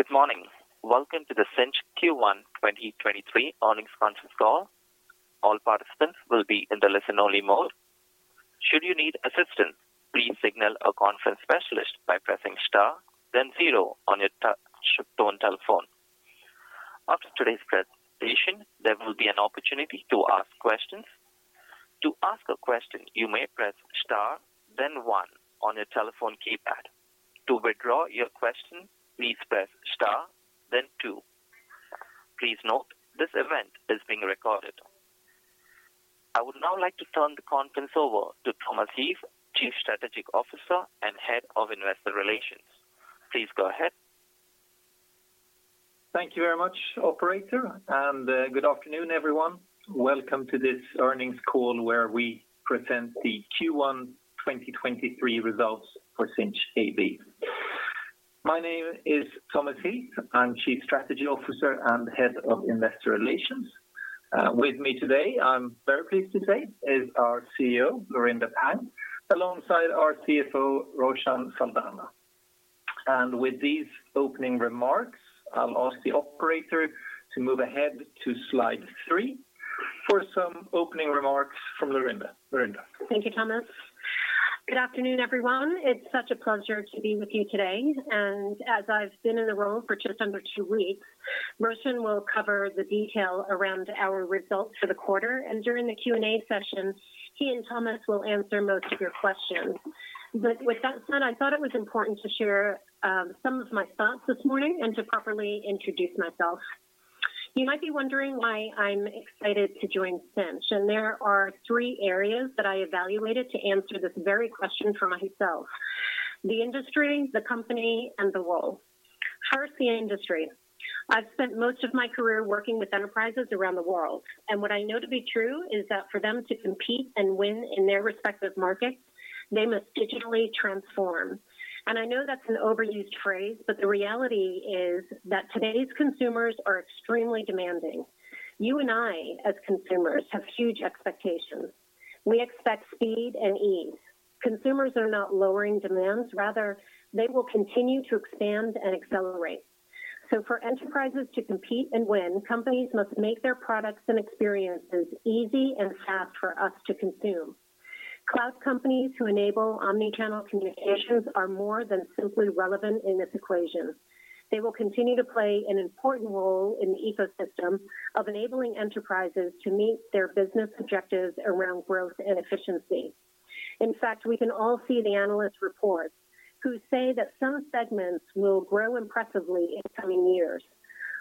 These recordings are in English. Good morning. Welcome to the Sinch Q1 2023 Earnings Conference Call. All participants will be in the listen only mode. Should you need assistance, please signal a conference specialist by pressing star then zero on your touch tone telephone. After today's presentation, there will be an opportunity to ask questions. To ask a question, you may press star then one on your telephone keypad. To withdraw your question, please press star then two. Please note this event is being recorded. I would now like to turn the conference over to Thomas Heath, Chief Strategy Officer and Head of Investor Relations. Please go ahead. Thank you very much, operator, and good afternoon, everyone. Welcome to this earnings call where we present the Q1 2023 results for Sinch AB. My name is Thomas Heath. I'm Chief Strategy Officer and Head of Investor Relations. With me today, I'm very pleased to say, is our CEO, Laurinda Pang, alongside our CFO, Roshan Saldanha. With these opening remarks, I'll ask the operator to move ahead to slide three for some opening remarks from Laurinda. Laurinda. Thank you, Thomas. Good afternoon, everyone. It's such a pleasure to be with you today, and as I've been in the role for just under two weeks, Roshan will cover the detail around our results for the quarter, and during the Q&A session, he and Thomas will answer most of your questions. With that said, I thought it was important to share some of my thoughts this morning and to properly introduce myself. You might be wondering why I'm excited to join Sinch, and there are three areas that I evaluated to answer this very question for myself: the industry, the company, and the role. First, the industry. I've spent most of my career working with enterprises around the world, and what I know to be true is that for them to compete and win in their respective markets, they must digitally transform. I know that's an overused phrase, but the reality is that today's consumers are extremely demanding. You and I, as consumers, have huge expectations. We expect speed and ease. Consumers are not lowering demands. Rather, they will continue to expand and accelerate. For enterprises to compete and win, companies must make their products and experiences easy and fast for us to consume. Cloud companies who enable omni-channel communications are more than simply relevant in this equation. They will continue to play an important role in the ecosystem of enabling enterprises to meet their business objectives around growth and efficiency. In fact, we can all see the analyst reports who say that some segments will grow impressively in coming years.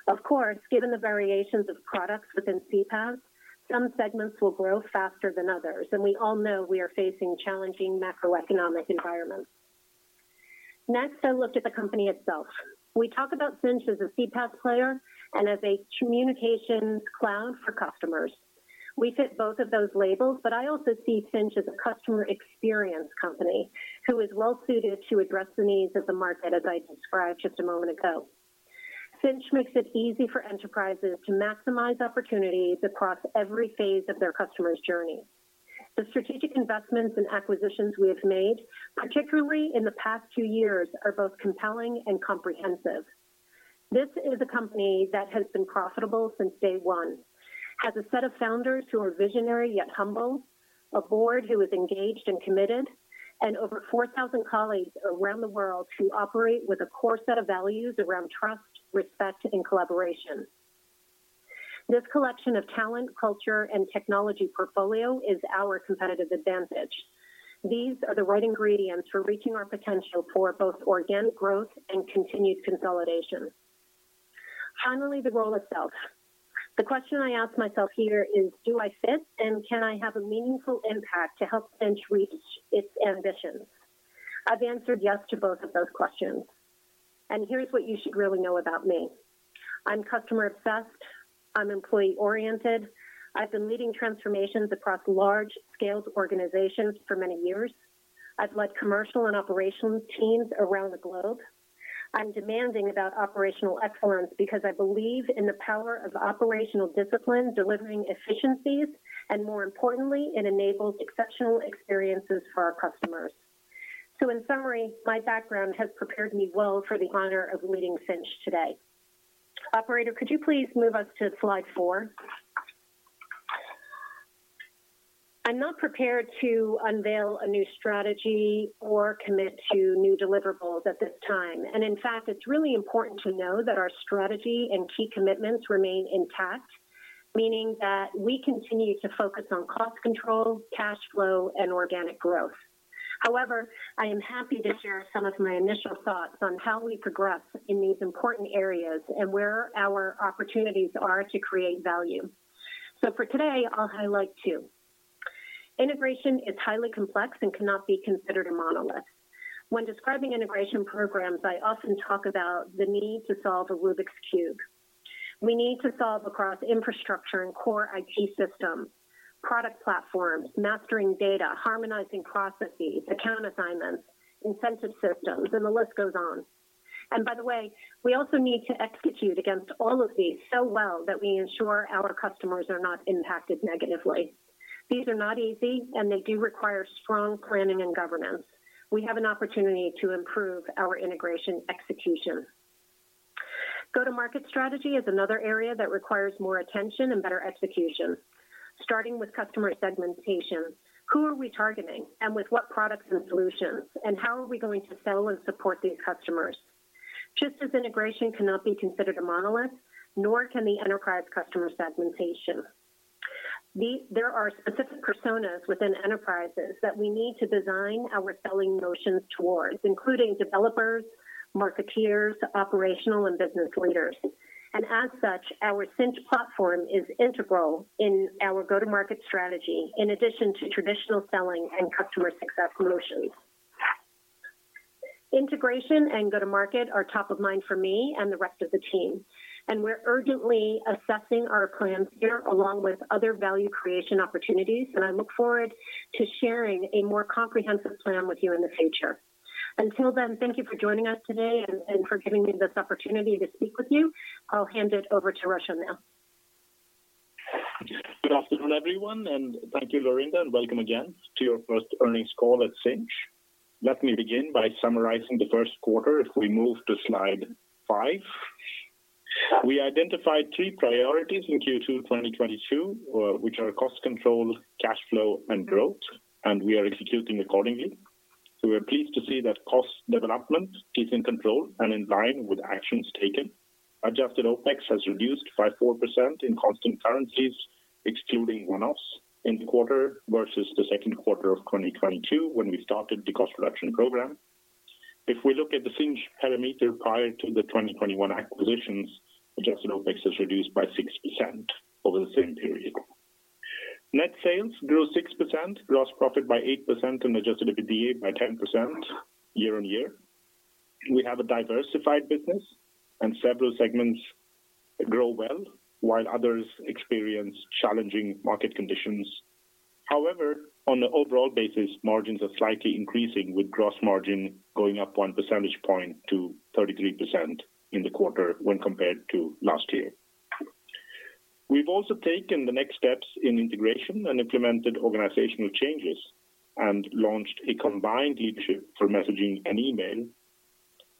Of course, given the variations of products within CPaaS, some segments will grow faster than others, and we all know we are facing challenging macroeconomic environments. Next, I looked at the company itself. We talk about Sinch as a CPaaS player and as a communications cloud for customers. We fit both of those labels, but I also see Sinch as a customer experience company who is well suited to address the needs of the market as I described just a moment ago. Sinch makes it easy for enterprises to maximize opportunities across every phase of their customer's journey. The strategic investments and acquisitions we have made, particularly in the past two years, are both compelling and comprehensive. This is a company that has been profitable since day one, has a set of founders who are visionary yet humble, a board who is engaged and committed, and over 4,000 colleagues around the world who operate with a core set of values around trust, respect, and collaboration. This collection of talent, culture, and technology portfolio is our competitive advantage. These are the right ingredients for reaching our potential for both organic growth and continued consolidation. Finally, the role itself. The question I ask myself here is, do I fit, and can I have a meaningful impact to help Sinch reach its ambitions? I've answered yes to both of those questions, and here's what you should really know about me. I'm customer obsessed. I'm employee oriented. I've been leading transformations across large-scaled organizations for many years. I've led commercial and operations teams around the globe. I'm demanding about operational excellence because I believe in the power of operational discipline delivering efficiencies, and more importantly, it enables exceptional experiences for our customers. In summary, my background has prepared me well for the honor of leading Sinch today. Operator, could you please move us to slide 4? I'm not prepared to unveil a new strategy or commit to new deliverables at this time. In fact, it's really important to know that our strategy and key commitments remain intact, meaning that we continue to focus on cost control, cash flow, and organic growth. However, I am happy to share some of my initial thoughts on how we progress in these important areas and where our opportunities are to create value. For today, I'll highlight two. Integration is highly complex and cannot be considered a monolith. When describing integration programs, I often talk about the need to solve a Rubik's Cube. We need to solve across infrastructure and core IT systems, product platforms, mastering data, harmonizing processes, account assignments, incentive systems, and the list goes on. By the way, we also need to execute against all of these so well that we ensure our customers are not impacted negatively. These are not easy, and they do require strong planning and governance. We have an opportunity to improve our integration execution. Go-to-market strategy is another area that requires more attention and better execution, starting with customer segmentation. Who are we targeting and with what products and solutions, and how are we going to sell and support these customers? Just as integration cannot be considered a monolith, nor can the enterprise customer segmentation. There are specific personas within enterprises that we need to design our selling motions towards, including developers, marketers, operational and business leaders. As such, our Sinch platform is integral in our go-to-market strategy, in addition to traditional selling and customer success motions. Integration and go-to-market are top of mind for me and the rest of the team, and we're urgently assessing our plans here along with other value creation opportunities. I look forward to sharing a more comprehensive plan with you in the future. Until then, thank you for joining us today and for giving me this opportunity to speak with you. I'll hand it over to Roshan now. Good afternoon, everyone, and thank you, Laurinda, and welcome again to your first earnings call at Sinch. Let me begin by summarizing the first quarter if we move to slide five. We identified three priorities in Q2 2022, which are cost control, cash flow and growth. We are executing accordingly. We are pleased to see that cost development is in control and in line with actions taken. Adjusted OpEx has reduced by 4% in constant currencies, excluding one-offs in the quarter versus the second quarter of 2022 when we started the cost reduction program. If we look at the Sinch parameter prior to the 2021 acquisitions, adjusted OpEx is reduced by 60% over the same period. Net sales grew 6%, gross profit by 8%, and adjusted EBITDA by 10% year-on-year. We have a diversified business and several segments grow well, while others experience challenging market conditions. However, on the overall basis, margins are slightly increasing, with gross margin going up one percentage point to 33% in the quarter when compared to last year. We've also taken the next steps in integration and implemented organizational changes, and launched a combined leadership for messaging and email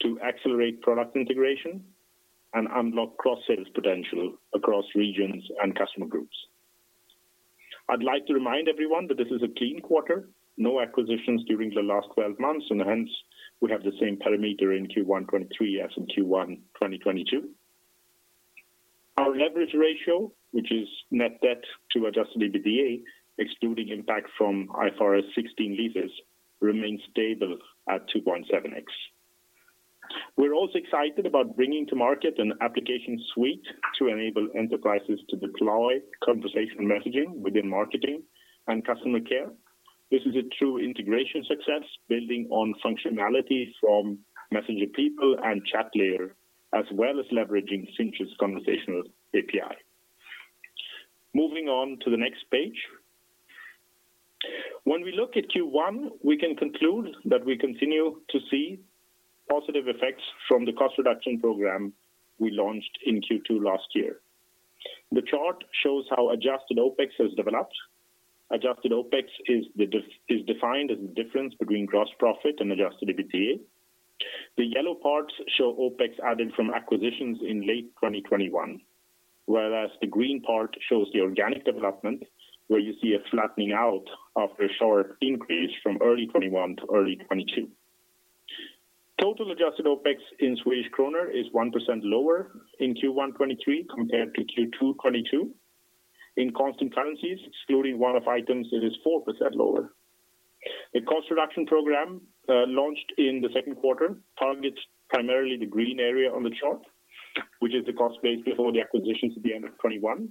to accelerate product integration and unlock cross-sales potential across regions and customer groups. I'd like to remind everyone that this is a clean quarter. No acquisitions during the last 12 months, and hence we have the same parameter in Q1 2023 as in Q1 2022. Our leverage ratio, which is net debt to adjusted EBITDA, excluding impact from IFRS 16 leases, remains stable at 2.7x. We're also excited about bringing to market an application suite to enable enterprises to deploy conversational messaging within marketing and customer care. This is a true integration success building on functionality from MessengerPeople and Chatlayer, as well as leveraging Sinch's Conversation API. Moving on to the next page. When we look at Q1, we can conclude that we continue to see positive effects from the cost reduction program we launched in Q2 last year. The chart shows how adjusted OpEx has developed. Adjusted OpEx is defined as the difference between gross profit and adjusted EBITDA. The yellow parts show OpEx added from acquisitions in late 2021, whereas the green part shows the organic development, where you see a flattening out after a short increase from early 2021 to early 2022. Total adjusted OpEx in SEK is 1% lower in Q1 2023 compared to Q2 2022. In constant currencies, excluding one-off items, it is 4% lower. The cost reduction program launched in the second quarter targets primarily the green area on the chart, which is the cost base before the acquisitions at the end of 2021.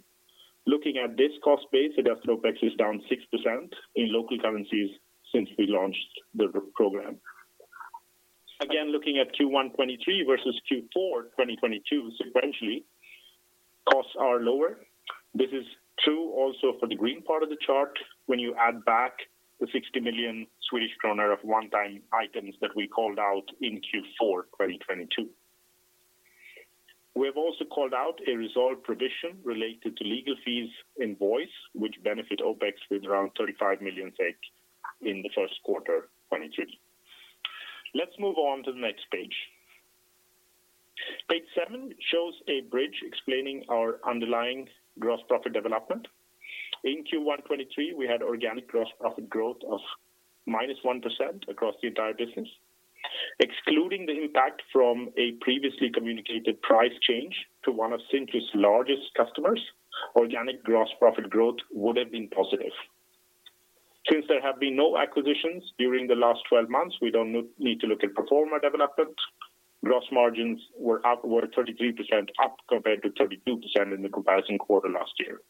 Looking at this cost base, adjusted OpEx is down 6% in local currencies since we launched the program. Looking at Q1 2023 versus Q4 2022 sequentially, costs are lower. This is true also for the green part of the chart when you add back the 60 million Swedish kronor of one-time items that we called out in Q4 2022. We have also called out a resolved provision related to legal fees invoice, which benefit OpEx with around 35 million in the first quarter 2022. Let's move on to the next page. Page seven shows a bridge explaining our underlying gross profit development. In Q1 2023, we had organic gross profit growth of -1% across the entire business. Excluding the impact from a previously communicated price change to one of Sinch's largest customers, organic gross profit growth would have been positive. Since there have been no acquisitions during the last 12 months, we don't need to look at performer development. Gross margins were 33% up compared to 32% in the comparison quarter last year.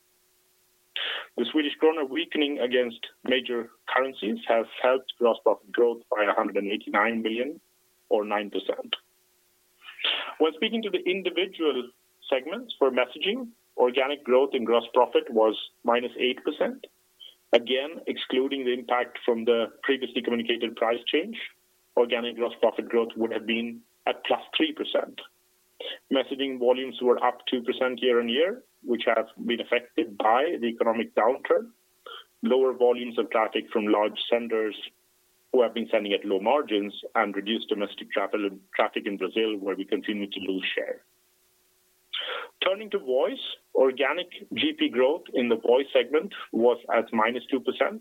The Swedish krona weakening against major currencies has helped gross profit growth by 189 million or 9%. When speaking to the individual segments for messaging, organic growth in gross profit was -8%. Again, excluding the impact from the previously communicated price change, organic gross profit growth would have been at +3%. Messaging volumes were up 2% year-on-year, which has been affected by the economic downturn. Lower volumes of traffic from large senders who have been sending at low margins and reduced domestic travel and traffic in Brazil, where we continue to lose share. Turning to voice. Organic GP growth in the voice segment was at -2%.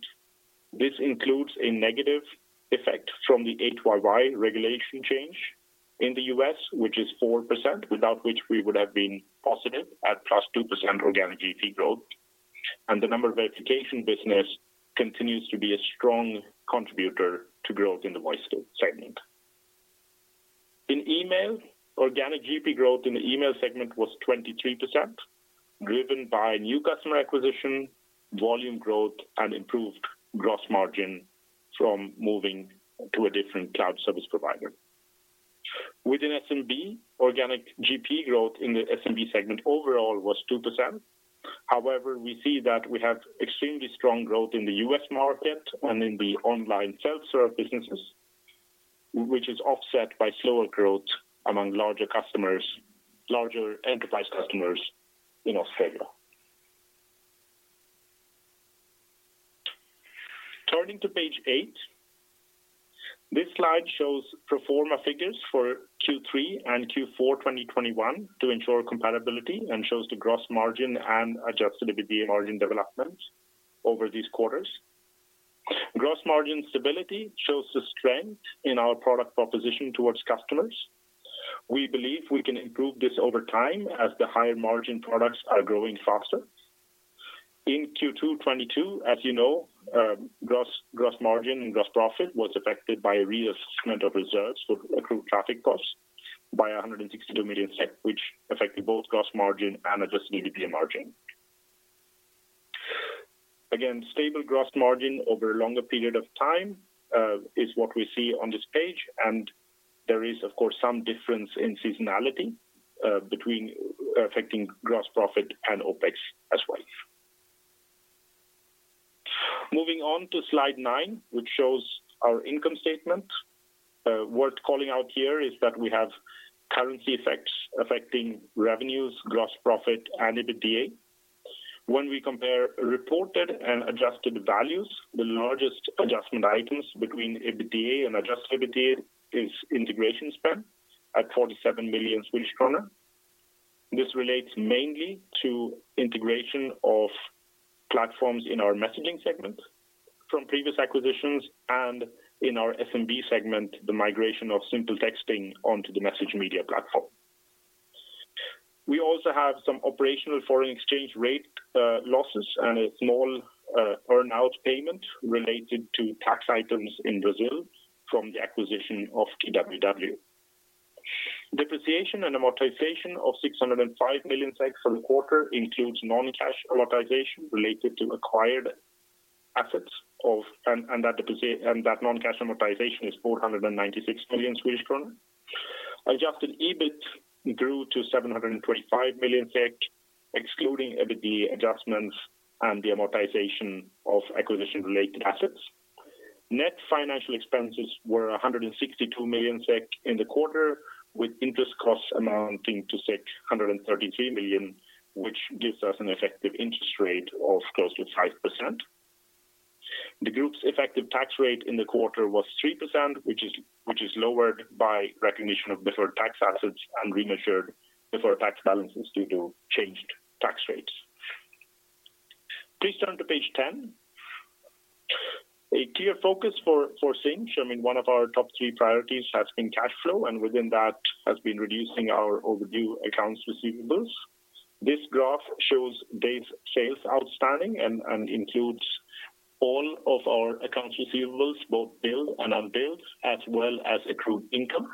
This includes a negative effect from the A2P regulation change in the U.S., which is 4%, without which we would have been positive at +2% organic GP growth. The number verification business continues to be a strong contributor to growth in the voice segment. In email, organic GP growth in the email segment was 23%, driven by new customer acquisition, volume growth, and improved gross margin from moving to a different cloud service provider. Within SMB, organic GP growth in the SMB segment overall was 2%. We see that we have extremely strong growth in the U.S. market and in the online self-serve businesses, which is offset by slower growth among larger customers, larger enterprise customers in Australia. Turning to page 8. This slide shows pro forma figures for Q3 and Q4 2021 to ensure compatibility, and shows the gross margin and adjusted EBITDA margin development over these quarters. Gross margin stability shows the strength in our product proposition towards customers. We believe we can improve this over time as the higher margin products are growing faster. In Q2 2022, as you know, gross margin and gross profit was affected by a reassessment of reserves for accrued traffic costs by 162 million, which affected both gross margin and adjusted EBITDA margin. Stable gross margin over a longer period of time is what we see on this page, and there is of course some difference in seasonality between affecting gross profit and OpEx as well. Moving on to slide nine, which shows our income statement. Worth calling out here is that we have currency effects affecting revenues, gross profit and EBITDA. When we compare reported and adjusted values, the largest adjustment items between EBITDA and adjusted EBITDA is integration spend at 47 million Swedish kronor. This relates mainly to integration of platforms in our messaging segment from previous acquisitions, and in our SMB segment, the migration of SimpleTexting onto the MessageMedia platform. We also have some operational foreign exchange rate losses and a small earn-out payment related to tax items in Brazil from the acquisition of TWW. Depreciation and amortization of 605 million for the quarter includes non-cash amortization related to acquired assets of, and that non-cash amortization is 496 million Swedish kronor. Adjusted EBIT grew to 725 million SEK, excluding EBITDA adjustments and the amortization of acquisition-related assets. Net financial expenses were 162 million SEK in the quarter, with interest costs amounting to 133 million, which gives us an effective interest rate of close to 5%. The group's effective tax rate in the quarter was 3%, which is lowered by recognition of deferred tax assets and remeasured deferred tax balances due to changed tax rates. Please turn to page 10. A clear focus for Sinch, I mean, one of our top three priorities has been cash flow. Within that has been reducing our overdue accounts receivables. This graph shows days sales outstanding and includes all of our accounts receivables, both billed and unbilled, as well as accrued income.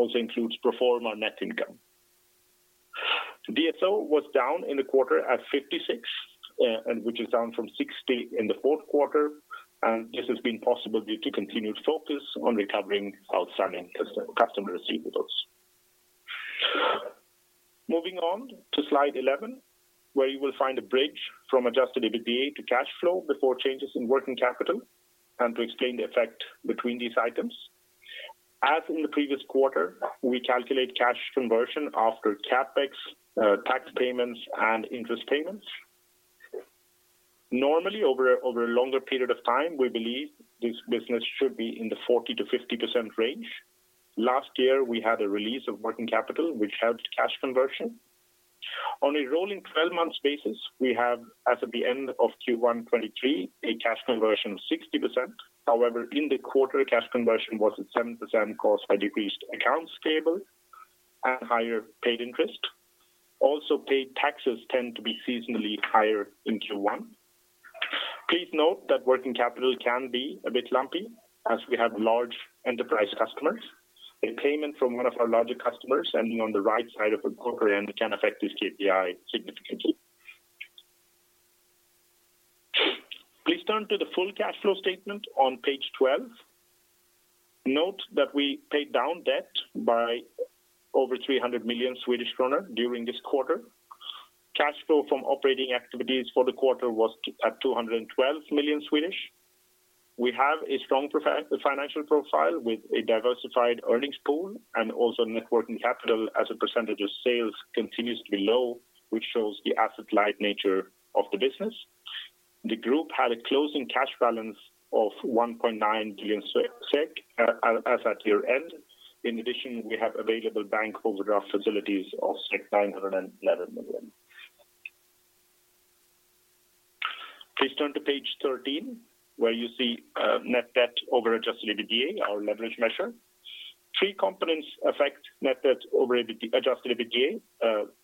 Also includes pro forma net income. DSO was down in the quarter at 56, which is down from 60 in the fourth quarter. This has been possible due to continued focus on recovering outstanding customer receivables. Moving on to slide 11, where you will find a bridge from adjusted EBITDA to cash flow before changes in working capital, and to explain the effect between these items. As in the previous quarter, we calculate cash conversion after CapEx, tax payments and interest payments. Normally, over a longer period of time, we believe this business should be in the 40%-50% range. Last year, we had a release of working capital, which helped cash conversion. On a rolling 12-month basis, we have, as of the end of Q1 2023, a cash conversion of 60%. However, in the quarter, cash conversion was at 7% caused by decreased accounts payable and higher paid interest. Also, paid taxes tend to be seasonally higher in Q1. Please note that working capital can be a bit lumpy as we have large enterprise customers. A payment from one of our larger customers ending on the right side of a quarter end can affect this KPI significantly. Please turn to the full cash flow statement on page 12. Note that we paid down debt by over 300 million Swedish kronor during this quarter. Cash flow from operating activities for the quarter was at 212 million. We have a strong financial profile with a diversified earnings pool and also networking capital as a percentage of sales continues to be low, which shows the asset-light nature of the business. The group had a closing cash balance of 1.9 billion SEK as at year-end. We have available bank overdraft facilities of 911 million. Please turn to page 13, where you see net debt over adjusted EBITDA, our leverage measure. Three components affect net debt over adjusted EBITDA,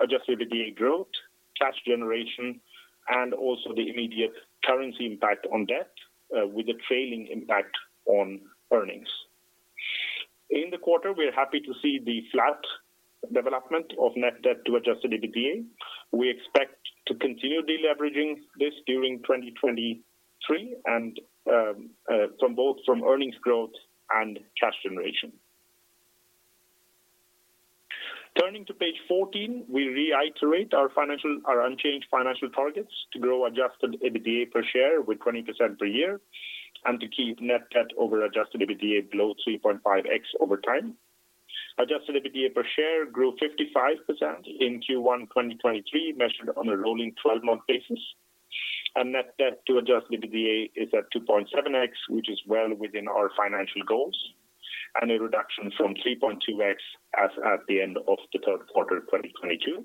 adjusted EBITDA growth, cash generation, and also the immediate currency impact on debt with the trailing impact on earnings. In the quarter, we are happy to see the flat development of net debt to adjusted EBITDA. We expect to continue deleveraging this during 2023 and from both from earnings growth and cash generation. Turning to page 14, we reiterate our unchanged financial targets to grow adjusted EBITDA per share with 20% per year and to keep net debt over adjusted EBITDA below 3.5x over time. Adjusted EBITDA per share grew 55% in Q1 2023, measured on a rolling 12-month basis. Net debt to adjusted EBITDA is at 2.7x, which is well within our financial goals, and a reduction from 3.2x as at the end of the third quarter 2022.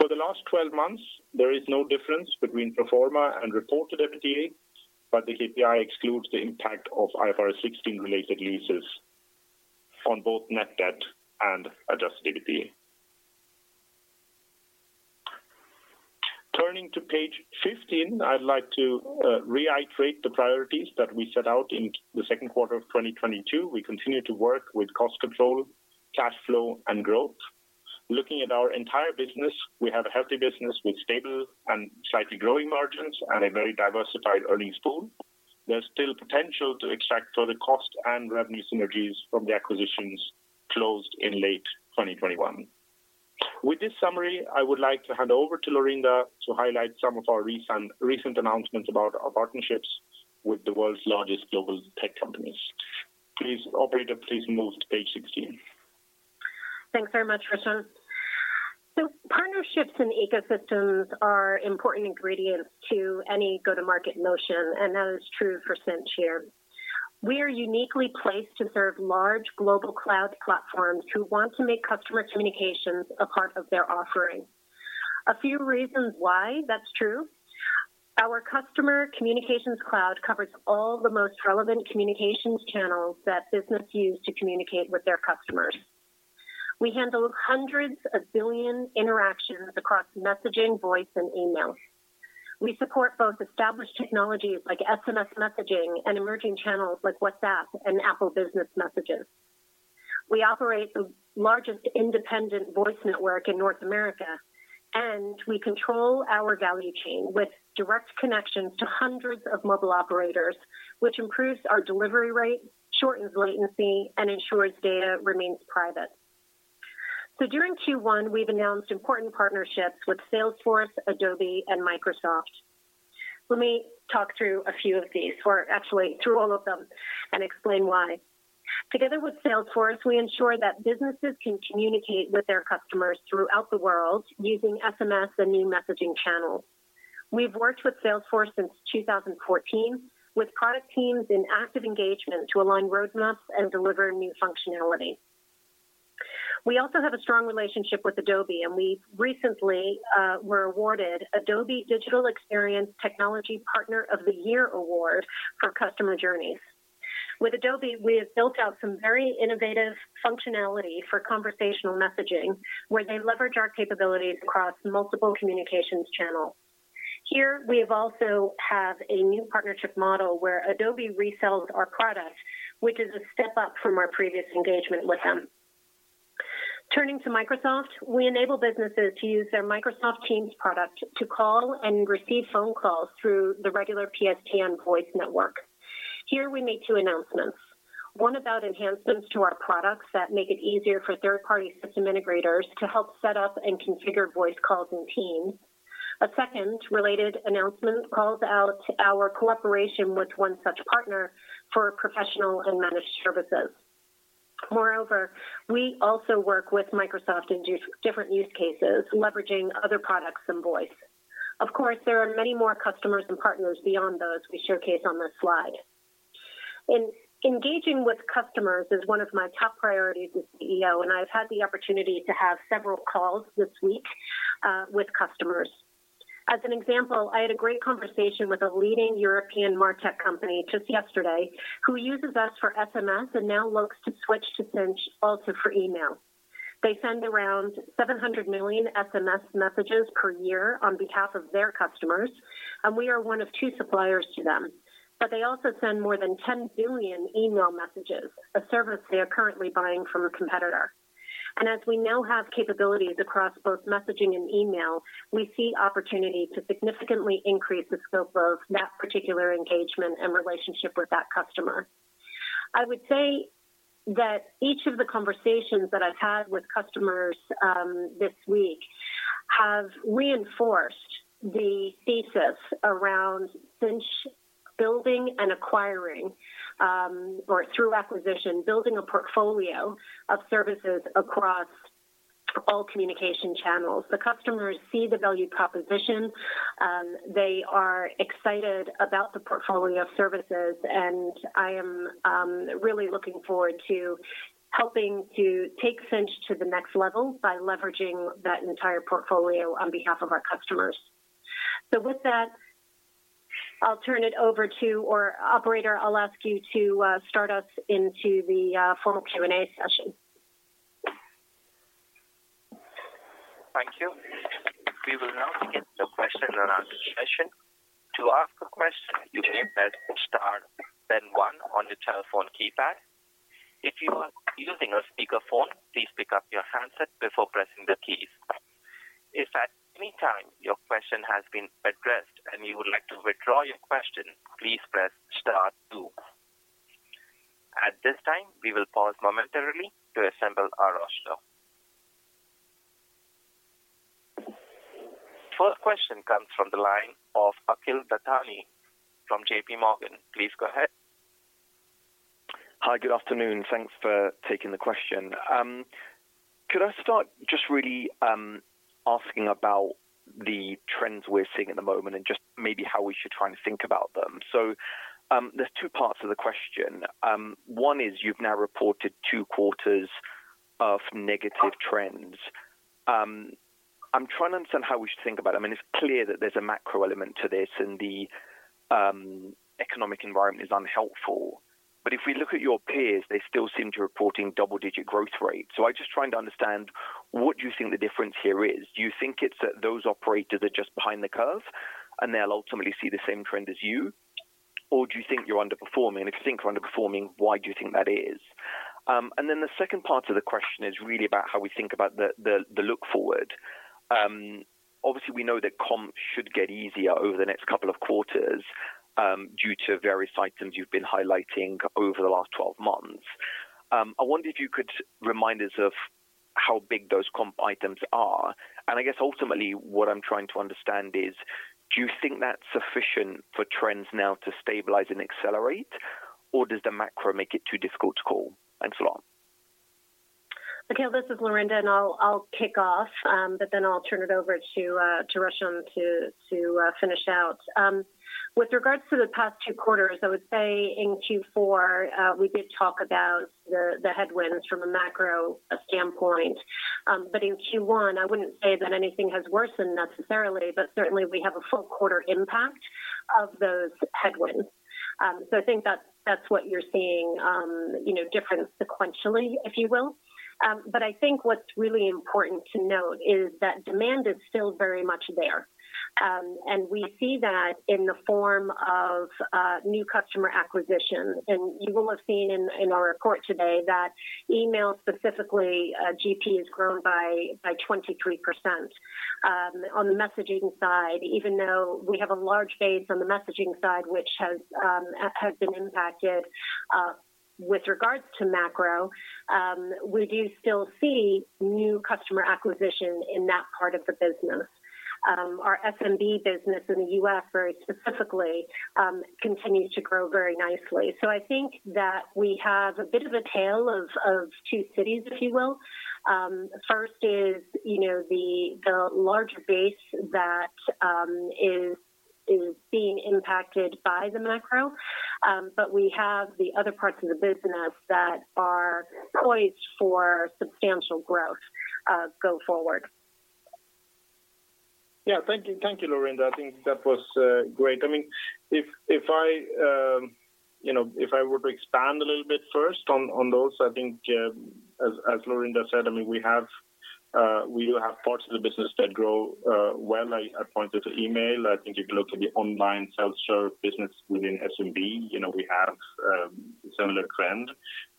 For the last 12 months, there is no difference between pro forma and reported EBITDA, but the KPI excludes the impact of IFRS 16 related leases on both net debt and adjusted EBITDA. Turning to page 15, I'd like to reiterate the priorities that we set out in the second quarter of 2022. We continue to work with cost control, cash flow, and growth. Looking at our entire business, we have a healthy business with stable and slightly growing margins and a very diversified earnings pool. There's still potential to extract further cost and revenue synergies from the acquisitions closed in late 2021. With this summary, I would like to hand over to Laurinda to highlight some of our recent announcements about our partnerships with the world's largest global tech companies. Please, operator, please move to page 16. Thanks very much, Roshan. Partnerships and ecosystems are important ingredients to any go-to-market motion, and that is true for Sinch here. We are uniquely placed to serve large global cloud platforms who want to make customer communications a part of their offering. A few reasons why that's true. Our customer communications cloud covers all the most relevant communications channels that businesses use to communicate with their customers. We handle hundreds of billion interactions across messaging, voice, and email. We support both established technologies like SMS messaging and emerging channels like WhatsApp and Apple Messages for Business. We operate the largest independent voice network in North America, and we control our value chain with direct connections to hundreds of mobile operators, which improves our delivery rate, shortens latency, and ensures data remains private. During Q1, we've announced important partnerships with Salesforce, Adobe, and Microsoft. Let me talk through a few of these, or actually through all of them and explain why. Together with Salesforce, we ensure that businesses can communicate with their customers throughout the world using SMS and new messaging channels. We've worked with Salesforce since 2014, with product teams in active engagement to align roadmaps and deliver new functionality. We also have a strong relationship with Adobe, and we recently were awarded Adobe Digital Experience Technology Partner of the Year award for customer journeys. With Adobe, we have built out some very innovative functionality for conversational messaging, where they leverage our capabilities across multiple communications channels. Here we have also have a new partnership model where Adobe resells our product, which is a step up from our previous engagement with them. Turning to Microsoft, we enable businesses to use their Microsoft Teams product to call and receive phone calls through the regular PSTN voice network. Here we made two announcements. One about enhancements to our products that make it easier for third-party system integrators to help set up and configure voice calls in Teams. A second related announcement calls out our cooperation with one such partner for professional and managed services. Moreover, we also work with Microsoft in different use cases, leveraging other products than voice. Of course, there are many more customers and partners beyond those we showcase on this slide. Engaging with customers is one of my top priorities as CEO, and I've had the opportunity to have several calls this week with customers. An example, I had a great conversation with a leading European martech company just yesterday who uses us for SMS and now looks to switch to Sinch also for email. They send around 700 million SMS messages per year on behalf of their customers, we are one of two suppliers to them. They also send more than 10 billion email messages, a service they are currently buying from a competitor. As we now have capabilities across both messaging and email, we see opportunity to significantly increase the scope of that particular engagement and relationship with that customer. I would say that each of the conversations that I've had with customers this week have reinforced the thesis around Sinch building and acquiring, or through acquisition, building a portfolio of services across all communication channels. The customers see the value proposition. They are excited about the portfolio of services, and I am really looking forward to helping to take Sinch to the next level by leveraging that entire portfolio on behalf of our customers. With that, I'll turn it over to operator, I'll ask you to start us into the formal Q&A session. Thank you. We will now begin the question and answer session. To ask a question, you may press star then one on your telephone keypad. If you are using a speaker phone, please pick up your handset before pressing the keys. If at any time your question has been addressed and you would like to withdraw your question, please press star two. At this time, we will pause momentarily to assemble our roster. First question comes from the line of Akhil Dattani from J.P. Morgan. Please go ahead. Hi, good afternoon. Thanks for taking the question. Could I start just really asking about the trends we're seeing at the moment and just maybe how we should try and think about them? There's two parts of the question. One is you've now reported two quarters of negative trends. I'm trying to understand how we should think about it. I mean, it's clear that there's a macro element to this and the economic environment is unhelpful. If we look at your peers, they still seem to be reporting double-digit growth rates. I'm just trying to understand what you think the difference here is. Do you think it's that those operators are just behind the curve and they'll ultimately see the same trend as you? Or do you think you're underperforming? If you think you're underperforming, why do you think that is? The second part of the question is really about how we think about the look forward. Obviously we know that comps should get easier over the next couple of quarters due to various items you've been highlighting over the last 12 months. I wonder if you could remind us of how big those comp items are. I guess ultimately what I'm trying to understand is, do you think that's sufficient for trends now to stabilize and accelerate, or does the macro make it too difficult to call? Thanks a lot. Akhil, this is Laurinda, and I'll kick off, but then I'll turn it over to Roshan to finish out. With regards to the past two quarters, I would say in Q4, we did talk about the headwinds from a macro standpoint. In Q1, I wouldn't say that anything has worsened necessarily, but certainly we have a full quarter impact of those headwinds. I think that's what you're seeing, you know, different sequentially, if you will. I think what's really important to note is that demand is still very much there. We see that in the form of new customer acquisitions. You will have seen in our report today that email specifically, GP has grown by 23%. On the messaging side, even though we have a large base on the messaging side, which has been impacted with regards to macro, we do still see new customer acquisition in that part of the business. Our SMB business in the U.S. very specifically continues to grow very nicely. I think that we have a bit of a tale of two cities, if you will. First is, you know, the larger base that is being impacted by the macro. We have the other parts of the business that are poised for substantial growth go forward. Yeah. Thank you. Thank you, Laurinda. I think that was great. I mean, if I, you know, if I were to expand a little bit first on those, I think, as Laurinda said, I mean, we have, we do have parts of the business that grow well. I pointed to email. I think if you look at the online self-serve business within SMB, you know, we have similar trend.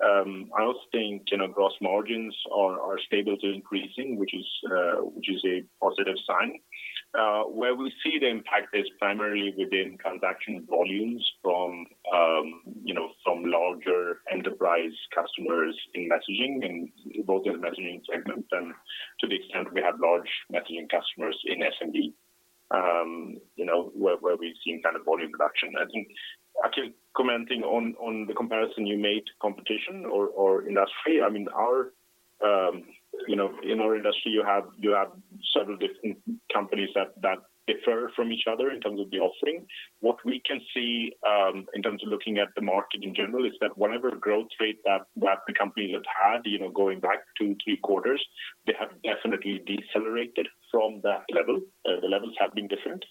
I also think, you know, gross margins are stable to increasing, which is a positive sign. Where we see the impact is primarily within transaction volumes from, you know, from larger enterprise customers in messaging, in both the messaging segments and to the extent we have large messaging customers in SMB, you know, where we've seen kind of volume reduction. I think Akhil commenting on the comparison you made, competition or industry. I mean, our, you know, in our industry you have several different companies that differ from each other in terms of the offering. What we can see, in terms of looking at the market in general, is that whatever growth rate that the company has had, you know, going back two, three quarters, they have definitely decelerated from that level. The levels have been different.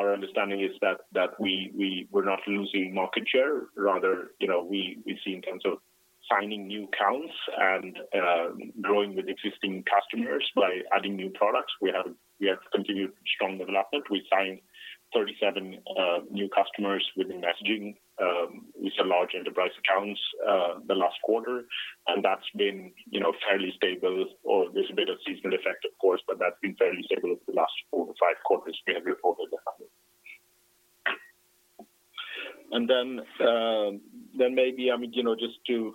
Our understanding is that we're not losing market share. Rather, you know, we see in terms of signing new accounts and, growing with existing customers by adding new products. We have continued strong development. We signed 37 new customers within messaging. With the large enterprise accounts the last quarter, that's been, you know, fairly stable or there's a bit of seasonal effect of course, but that's been fairly stable over the last four to five quarters we have reported. Then maybe, I mean, you know, just to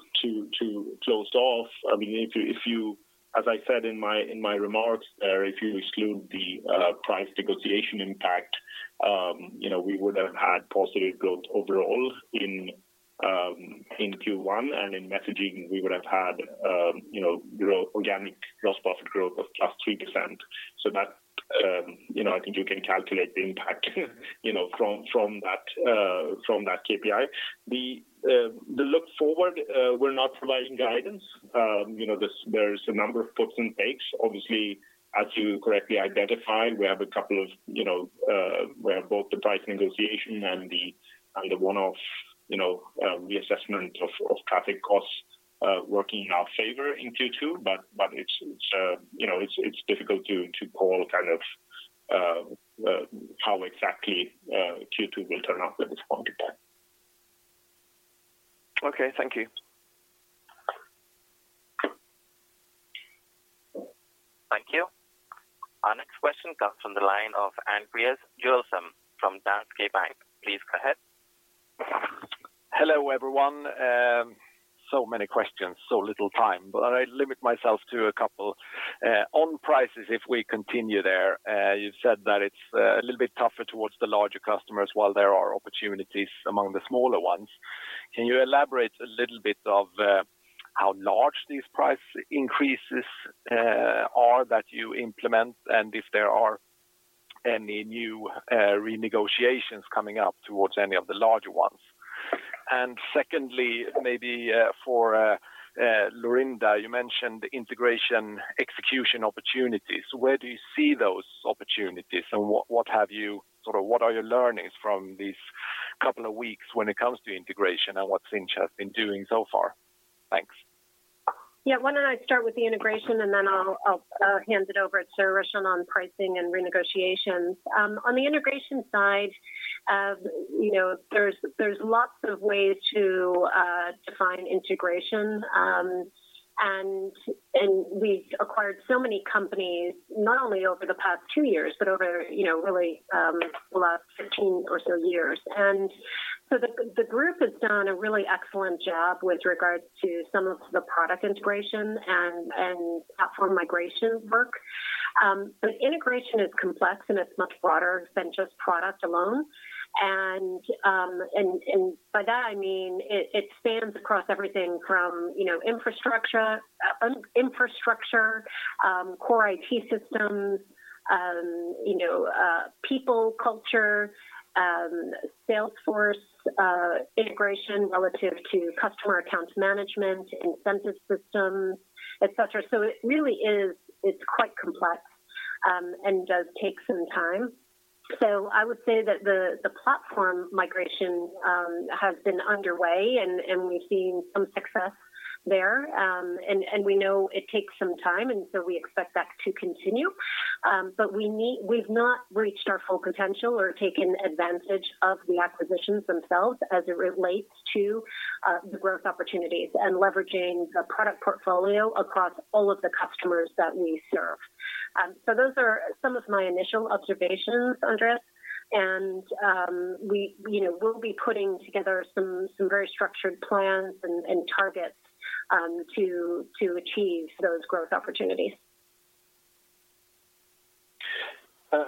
close off, I mean, if you as I said in my remarks, if you exclude the price negotiation impact, you know, we would have had positive growth overall in Q1 and in messaging we would have had, you know, organic gross profit growth of +3%. That, you know, I think you can calculate the impact, you know, from that from that KPI. The look forward, we're not providing guidance. You know, there's a number of puts and takes. Obviously, as you correctly identified, we have a couple of, you know, we have both the price negotiation and the one-off, you know, reassessment of traffic costs, working in our favor in Q2. It's, you know, it's difficult to call kind of how exactly Q2 will turn out at this point in time. Okay. Thank you. Thank you. Our next question comes from the line of Andreas Henriksen from Danske Bank. Please go ahead. Hello, everyone. So many questions, so little time. I'll limit myself to a couple. On prices, if we continue there, you said that it's a little bit tougher towards the larger customers while there are opportunities among the smaller ones. Can you elaborate a little bit of how large these price increases are that you implement, and if there are any new renegotiations coming up towards any of the larger ones? Secondly, maybe, for Laurinda, you mentioned integration execution opportunities. Where do you see those opportunities, and what sort of what are your learnings from these couple of weeks when it comes to integration and what Sinch has been doing so far? Thanks. Yeah. Why don't I start with the integration, and then I'll hand it over to Sören on pricing and renegotiations. On the integration side, you know, there's lots of ways to define integration. We acquired so many companies not only over the past two years, but over, you know, really, the last 15 or so years. The group has done a really excellent job with regards to some of the product integration and platform migration work. Integration is complex, and it's much broader than just product alone. By that I mean it spans across everything from, you know, infrastructure, core IT systems, you know, people culture, Salesforce integration relative to customer accounts management, incentive systems, et cetera. It really is, it's quite complex, and does take some time. I would say that the platform migration has been underway and we've seen some success there. We know it takes some time, and so we expect that to continue. We've not reached our full potential or taken advantage of the acquisitions themselves as it relates to the growth opportunities and leveraging the product portfolio across all of the customers that we serve. Those are some of my initial observations, Andreas. We, you know, we'll be putting together some very structured plans and targets to achieve those growth opportunities.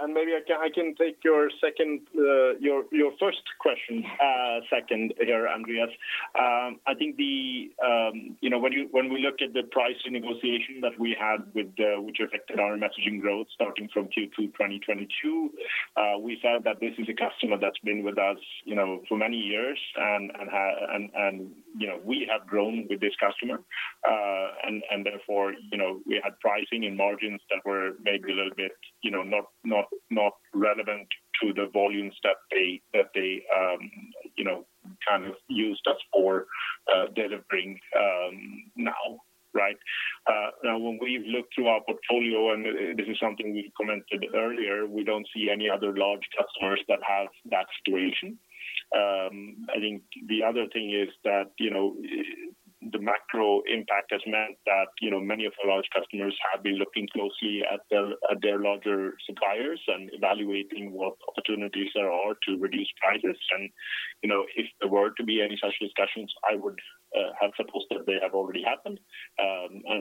Maybe I can take your second, your first question, second here, Andreas. I think the, you know, when we looked at the pricing negotiation that we had with the, which affected our messaging growth starting from Q2 2022, we found that this is a customer that's been with us, you know, for many years and, you know, we have grown with this customer. Therefore, you know, we had pricing and margins that were maybe a little bit, you know, not relevant to the volumes that they, you know, kind of used us for, delivering now, right? When we've looked through our portfolio, and this is something we commented earlier, we don't see any other large customers that have that situation. I think the other thing is that, you know, the macro impact has meant that, you know, many of our large customers have been looking closely at their, at their larger suppliers and evaluating what opportunities there are to reduce prices. You know, if there were to be any such discussions, I would have supposed that they have already happened.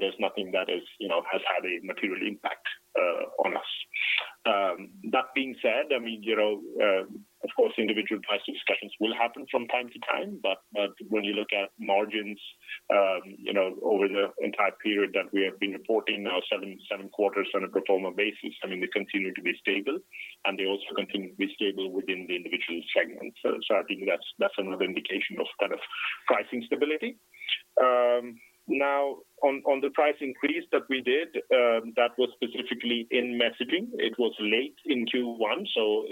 There's nothing that is, you know, has had a material impact on us. That being said, I mean, you know, of course, individual pricing discussions will happen from time to time. When you look at margins, you know, over the entire period that we have been reporting now 7 quarters on a pro forma basis, I mean, they continue to be stable, and they also continue to be stable within the individual segments. I think that's another indication of kind of pricing stability. Now on the price increase that we did, that was specifically in messaging. It was late in Q1, so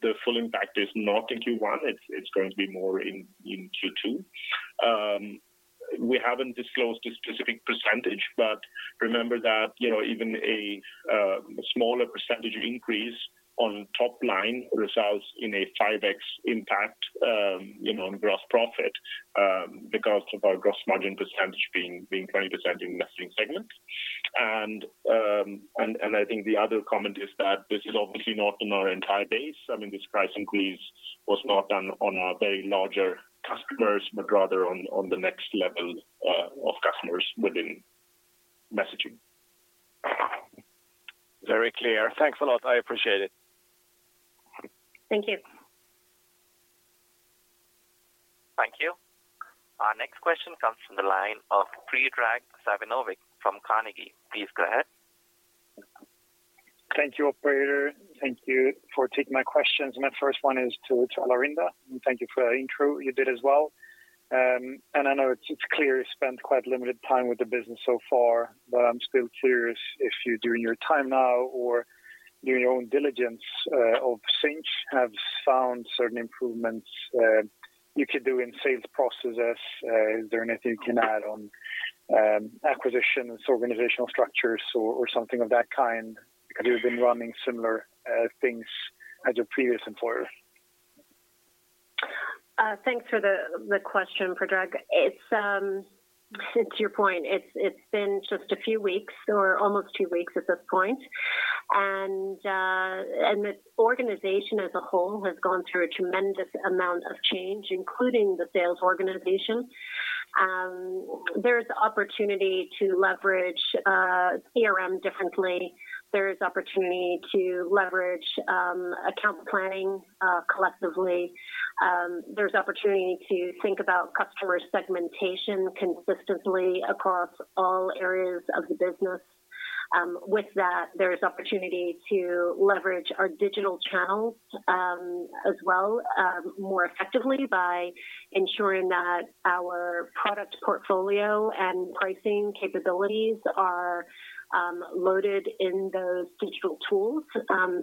the full impact is not in Q1. It's going to be more in Q2. We haven't disclosed a specific percentage, but remember that, you know, even a smaller percentage increase on top line results in a 5x impact, you know, on gross profit, because of our gross margin percentage being 20% in messaging segment. I think the other comment is that this is obviously not in our entire base. I mean, this price increase was not done on our very larger customers, but rather on the next level of customers within messaging. Very clear. Thanks a lot, I appreciate it. Thank you. Thank you. Our next question comes from the line of Predrag Savinovic from Carnegie. Please go ahead. Thank you, operator. Thank you for taking my questions. My first one is to Laurinda, and thank you for the intro you did as well. I know it's clear you spent quite limited time with the business so far, but I'm still curious if you during your time now or doing your own diligence of Sinch have found certain improvements you could do in sales processes. Is there anything you can add on acquisitions, organizational structures or something of that kind? Because you've been running similar things as your previous employer. Thanks for the question, Predrag. It's your point. It's been just a few weeks or almost two weeks at this point. The organization as a whole has gone through a tremendous amount of change, including the sales organization. There's opportunity to leverage CRM differently. There's opportunity to leverage account planning collectively. There's opportunity to think about customer segmentation consistently across all areas of the business. With that, there's opportunity to leverage our digital channels as well, more effectively by ensuring that our product portfolio and pricing capabilities are loaded in those digital tools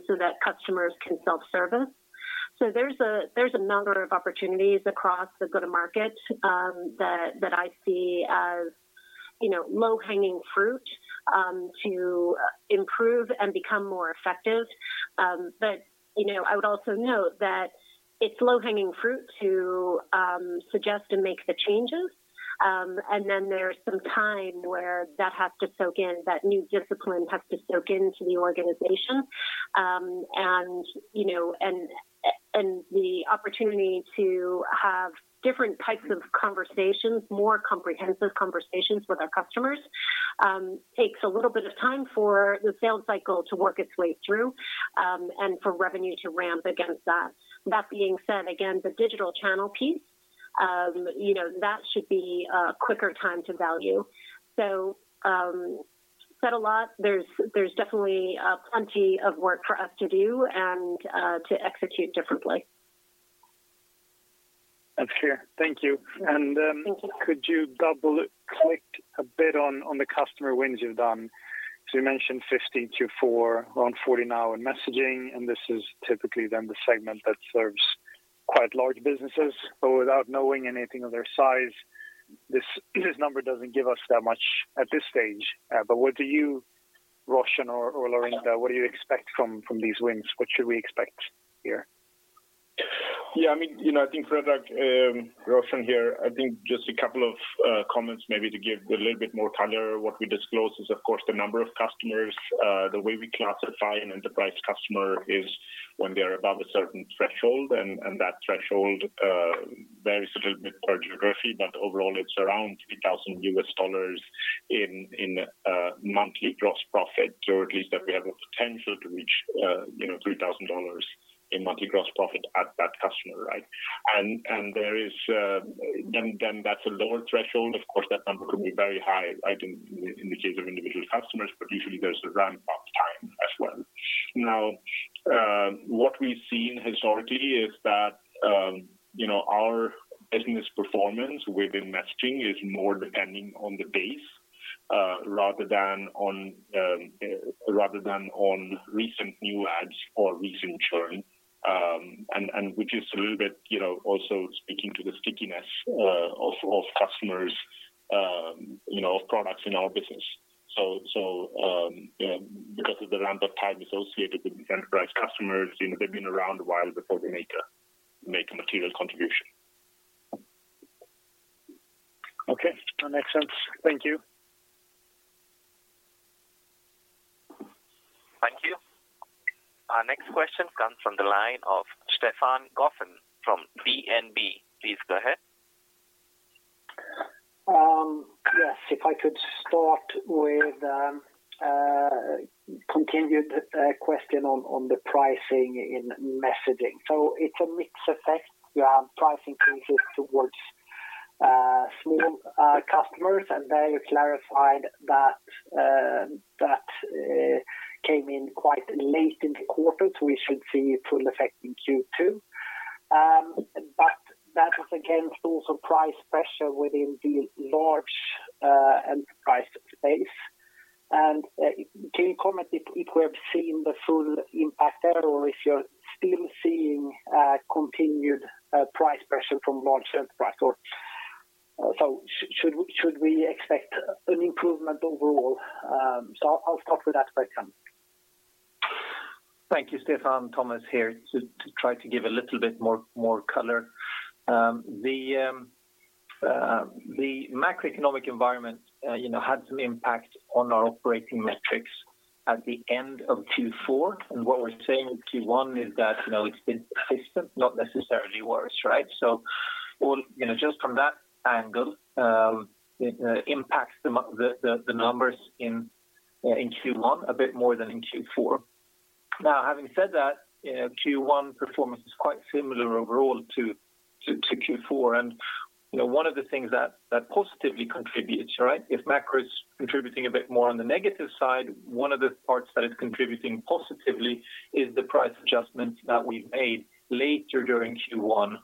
so that customers can self-service. There's a number of opportunities across the go-to-market that I see as, you know, low-hanging fruit to improve and become more effective. You know, I would also note that it's low-hanging fruit to suggest and make the changes. there's some time where that has to soak in, that new discipline has to soak into the organization. you know, and the opportunity to have different types of conversations, more comprehensive conversations with our customers, takes a little bit of time for the sales cycle to work its way through, and for revenue to ramp against that. That being said, again, the digital channel piece, you know, that should be a quicker time to value. said a lot. There's, there's definitely plenty of work for us to do and to execute differently. That's clear. Thank you. Thank you. Could you double click a bit on the customer wins you've done? You mentioned 50 Q4, around 40 now in messaging, and this is typically then the segment that serves quite large businesses. Without knowing anything of their size, this number doesn't give us that much at this stage. What do you, Roshan or Laurinda, what do you expect from these wins? What should we expect here? I mean, you know, I think, Predrag, Roshan here. I think just a couple of comments maybe to give a little bit more color. What we disclose is of course the number of customers. The way we classify an enterprise customer is when they are above a certain threshold and that threshold varies a little bit by geography, but overall it's around $3,000 in monthly gross profit, or at least that we have a potential to reach, you know, $3,000 in monthly gross profit at that customer, right? There is then that's a lower threshold. Of course, that number could be very high, I think in the case of individual customers, but usually there's a ramp-up time as well. Now, what we've seen historically is that, you know, our business performance within messaging is more depending on the base, rather than on recent new ads or recent churn. Which is a little bit, you know, also speaking to the stickiness of customers, you know, of products in our business. You know, because of the ramp-up time associated with enterprise customers, you know, they've been around a while before they make a material contribution. Okay. That makes sense. Thank you. Thank you. Our next question comes from the line of Stefan Gauffin from DNB. Please go ahead. Yes. If I could start with, continued question on the pricing in messaging. It's a mixed effect. You have pricing increases towards, small customers, and there you clarified that came in quite late in the quarter, so we should see a full effect in Q2. That was against also price pressure within the large enterprise space. Can you comment if we have seen the full impact there or if you're still seeing, continued price pressure from large enterprise? Should we expect an improvement overall? I'll start with that question. Thank you, Stefan. Thomas here. To try to give a little bit more, more color. The macroeconomic environment, you know, had some impact on our operating metrics at the end of Q4. What we're seeing in Q1 is that, you know, it's been persistent, not necessarily worse, right? Well, you know, just from that angle, it impacts the numbers in Q1 a bit more than in Q4. Having said that, you know, Q1 performance is quite similar overall to Q4. You know, one of the things that positively contributes, right? If macro is contributing a bit more on the negative side, one of the parts that is contributing positively is the price adjustments that we've made later during Q1,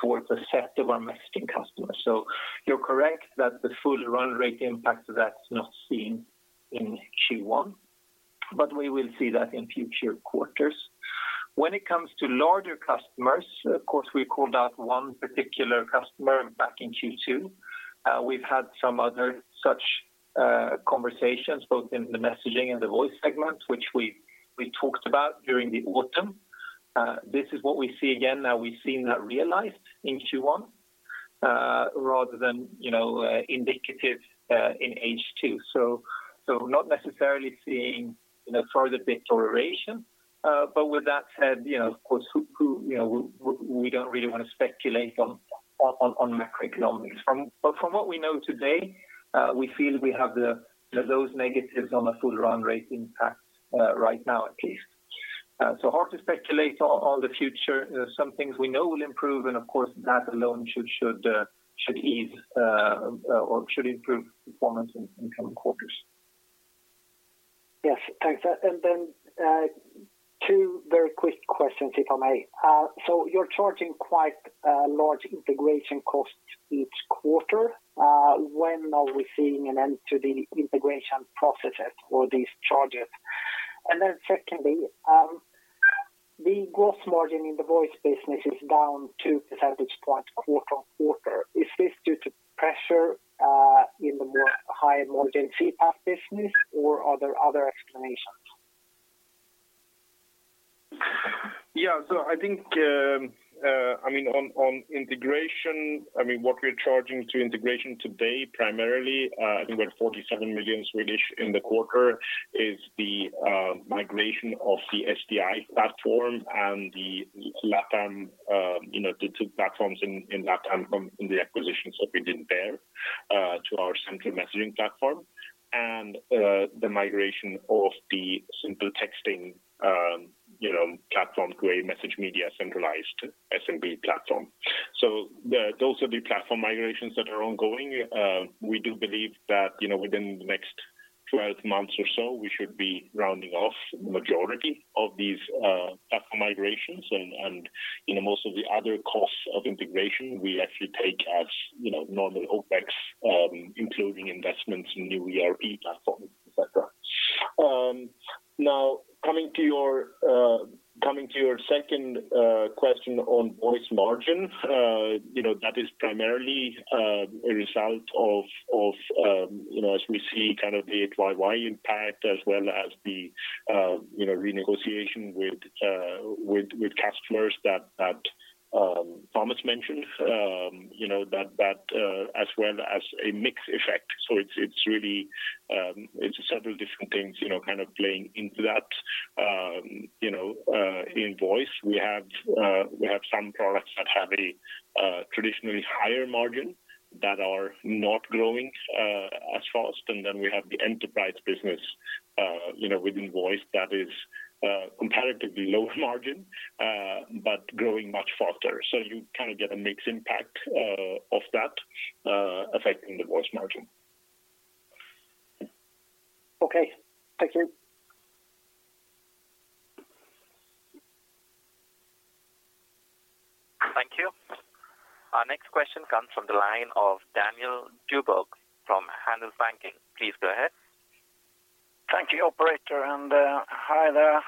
towards a set of our messaging customers. You're correct that the full run rate impact of that's not seen in Q1, but we will see that in future quarters. When it comes to larger customers, of course, we called out one particular customer back in Q2. We've had some other such conversations both in the messaging and the voice segments, which we talked about during the autumn. This is what we see again. Now we've seen that realized in Q1, rather than, you know, indicative in H2. Not necessarily seeing, you know, further deterioration. With that said, you know, of course, who, you know, we don't really wanna speculate on macroeconomics. From what we know today, we feel we have the, you know, those negatives on a full run rate impact right now at least. Hard to speculate on the future. Some things we know will improve, of course, that alone should ease or should improve performance in coming quarters. Yes. Thanks. Then, two very quick questions, if I may. You're charging quite large integration costs each quarter. When are we seeing an end to the integration processes for these charges? Secondly, the gross margin in the voice business is down 2 percentage point quarter-on-quarter. Is this due to pressure in the more high-margin CPaaS business, or are there other explanations? Yeah. I think, I mean, on integration, I mean, what we're charging to integration today, primarily, I think we're at 47 million in the quarter, is the migration of the SDI platform and the LATAM, you know, the two platforms in LATAM from the acquisitions that we did there, to our central messaging platform and the migration of the SimpleTexting, you know, platform to a MessageMedia centralized SMB platform. Those are the platform migrations that are ongoing. We do believe that, you know, within the next 12 months or so, we should be rounding off the majority of these platform migrations. Most of the other costs of integration, we actually take as, you know, normal OpEx, including investments in new ERP platforms, et cetera. Coming to your second question on voice margin. You know, that is primarily a result of, you know, as we see kind of the Y-o-Y impact as well as the, you know, renegotiation with customers that Thomas mentioned. You know, that as well as a mix effect. It's really several different things, you know, kind of playing into that. You know, in voice we have some products that have a traditionally higher margin that are not growing as fast. We have the enterprise business, you know, within voice that is comparatively lower margin but growing much faster. You kind of get a mixed impact of that affecting the voice margin. Okay. Thank you. Thank you. Our next question comes from the line of Daniel Djurberg from Handelsbanken. Please go ahead. Thank you, operator. Hi there,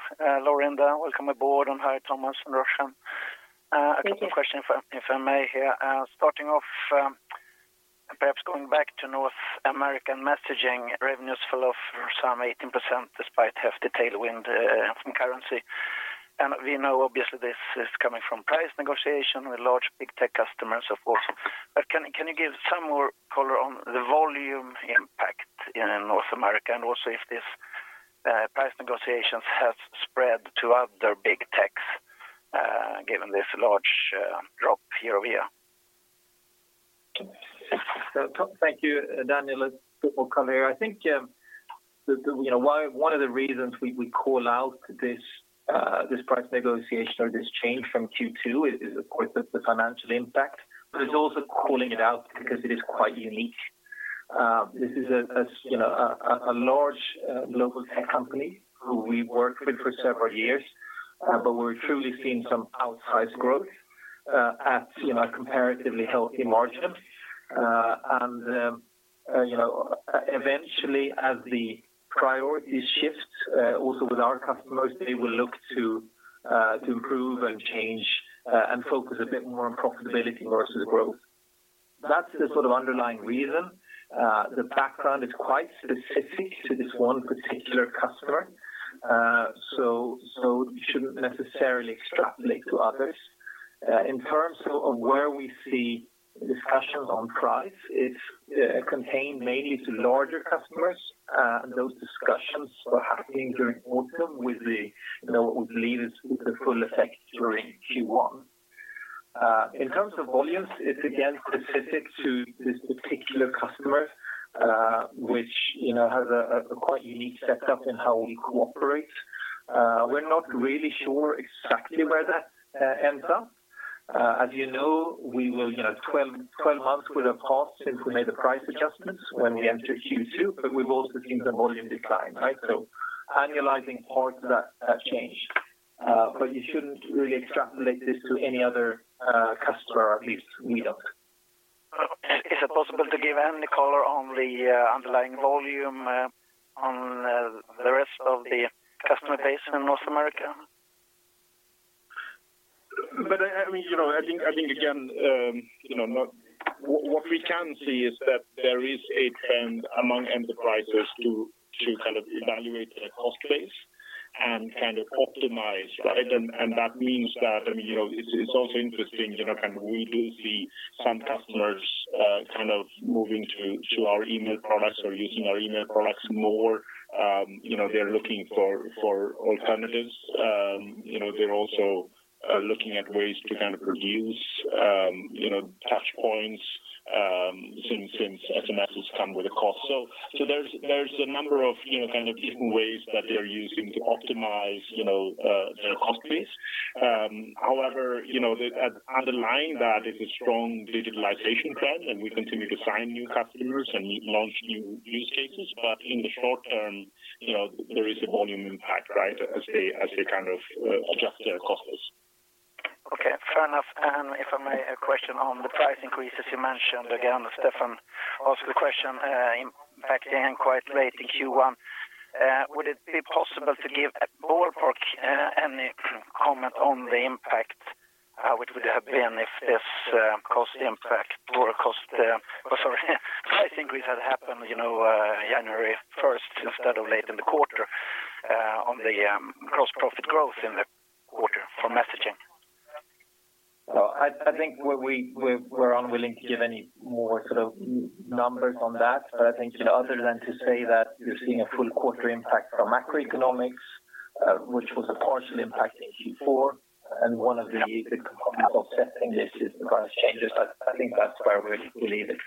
Laurinda. Welcome aboard, and hi, Thomas and Roshan. A couple questions for, if I may here. Starting off, perhaps going back to North American messaging, revenues fell off some 18% despite hefty tailwind from currency. We know obviously this is coming from price negotiation with large big tech customers, of course. Can you give some more color on the volume impact in North America? Also if these price negotiations have spread to other big techs, given this large drop year-over-year? Thank you, Daniel. A bit more color here. I think, you know, one of the reasons we call out this price negotiation or this change from Q2 is of course the financial impact. It's also calling it out because it is quite unique. This is a, you know, a large global tech company who we worked with for several years, but we're truly seeing some outsized growth. At, you know, a comparatively healthy margin. Eventually, as the priorities shift, also with our customers, they will look to improve and change, and focus a bit more on profitability versus growth. That's the sort of underlying reason. The background is quite specific to this one particular customer. You shouldn't necessarily extrapolate to others. In terms of where we see discussions on price, it's contained mainly to larger customers. Those discussions were happening during autumn with the, you know, what we believe is with the full effect during Q1. In terms of volumes, it's again specific to this particular customer, which, you know, has a quite unique setup in how we cooperate. We're not really sure exactly where that ends up. As you know, we will, 12 months would have passed since we made the price adjustments when we entered Q2, we've also seen the volume decline, right? Annualizing parts of that have changed. You shouldn't really extrapolate this to any other customer, at least we don't. Is it possible to give any color on the underlying volume on the rest of the customer base in North America? I mean, you know, I think, I think again, you know, not... What we can see is that there is a trend among enterprises to kind of evaluate their cost base and kind of optimize, right? That means that, I mean, you know, it's also interesting, you know, kind of we do see some customers, kind of moving to our email products or using our email products more. You know, they're looking for alternatives. You know, they're also, looking at ways to kind of reduce, you know, touch points, since SMS has come with a cost. There's a number of, you know, kind of different ways that they're using to optimize, you know, their cost base. You know, the underlying that is a strong digitalization trend, and we continue to sign new customers and launch new use cases. In the short term, you know, there is a volume impact, right? As they kind of adjust their cost base. Okay. Fair enough. If I may, a question on the price increase, as you mentioned, again, Stefan asked the question, impacting quite late in Q1. Would it be possible to give a ballpark, any comment on the impact, which would have been if this, cost impact or sorry, price increase had happened, you know, January 1st instead of late in the quarter, on the gross profit growth in the quarter for messaging? Well, I think we're unwilling to give any more sort of numbers on that. I think, you know, other than to say that we're seeing a full quarter impact from macroeconomics, which was a partial impact in Q4. One of the big components of setting this is the price changes. I think that's where we leave it.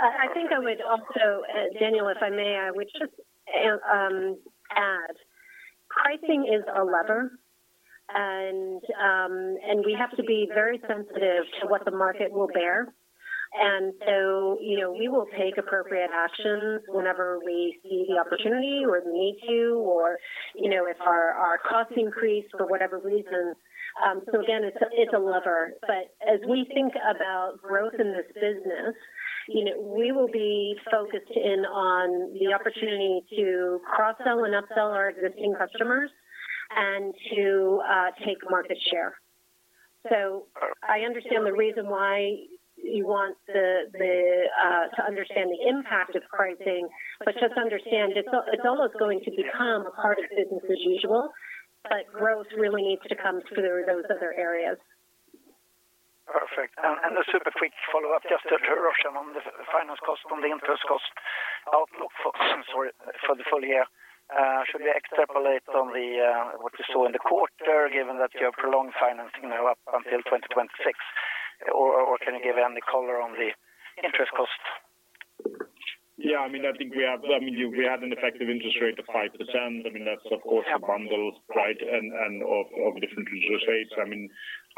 I think I would also, Daniel, if I may, I would just add, pricing is a lever and we have to be very sensitive to what the market will bear. You know, we will take appropriate actions whenever we see the opportunity or need to, or, you know, if our costs increase for whatever reasons. Again, it's a lever, but as we think about growth in this business, you know, we will be focused in on the opportunity to cross-sell and upsell our existing customers and to take market share. I understand the reason why you want the to understand the impact of pricing, but just understand it's almost going to become a part of business as usual, but growth really needs to come through those other areas. Perfect. A super quick follow-up just to Roshan on the finance cost, on the interest cost outlook for, sorry, for the full year. Should we extrapolate on what you saw in the quarter, given that you have prolonged financing, you know, up until 2026? Or can you give any color on the interest cost? Yeah, I mean, I think we have, I mean, you, we had an effective interest rate of 5%. I mean, that's of course a bundle, right? Of different interest rates. I mean,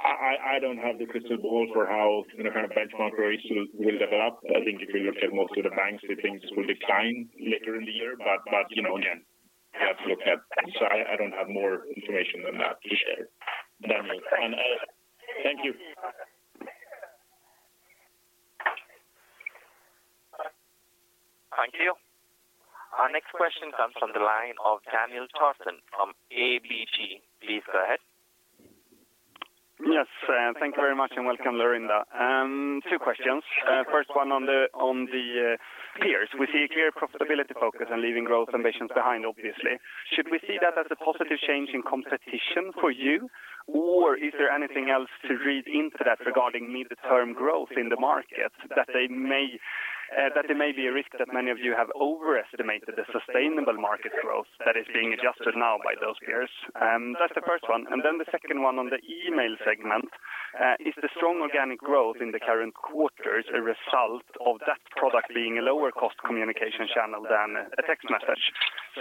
I don't have the crystal ball for how, you know, kind of benchmark rates will develop. I think if you look at most of the banks, the things will decline later in the year. You know, again, we have to look at... I don't have more information than that to share. Thank you. Thank you. Our next question comes from the line of Daniel Thorsson from ABG. Please go ahead. Yes. Thank you very much, and welcome, Laurinda. Two questions. First one on the peers. We see a clear profitability focus and leaving growth ambitions behind, obviously. Should we see that as a positive change in competition for you? Or is there anything else to read into that regarding medium-term growth in the market that there may be a risk that many of you have overestimated the sustainable market growth that is being adjusted now by those peers? That's the first one. The second one on the email segment. Is the strong organic growth in the current quarters a result of that product being a lower cost communication channel than a text message?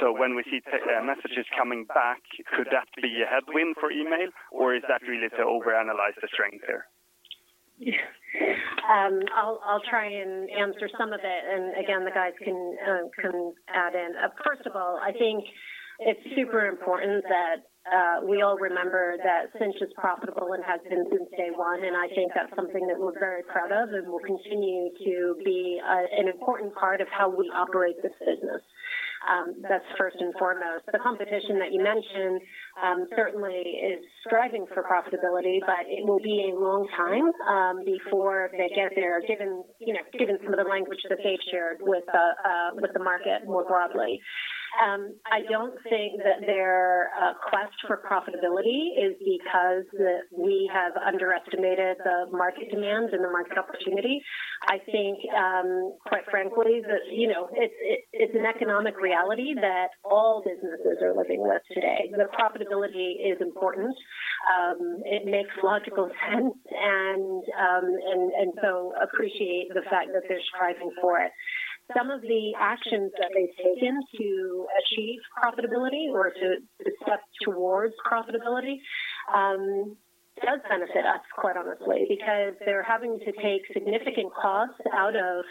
When we see messages coming back, could that be a headwind for email, or is that really to overanalyze the strength there? Yeah. I'll try and answer some of it. Again, the guys can add in. First of all, I think it's super important that we all remember that Sinch is profitable and has been since day one. I think that's something that we're very proud of and will continue to be an important part of how we operate this business. That's first and foremost. The competition that you mentioned certainly is striving for profitability, but it will be a long time before they get there given, you know, given some of the language that they've shared with the market more broadly. I don't think that their quest for profitability is because that we have underestimated the market demand and the market opportunity. I think, quite frankly that, you know, it's an economic reality that all businesses are living with today. The profitability is important. It makes logical sense and appreciate the fact that they're striving for it. Some of the actions that they've taken to achieve profitability or to step towards profitability, does benefit us quite honestly, because they're having to take significant costs out of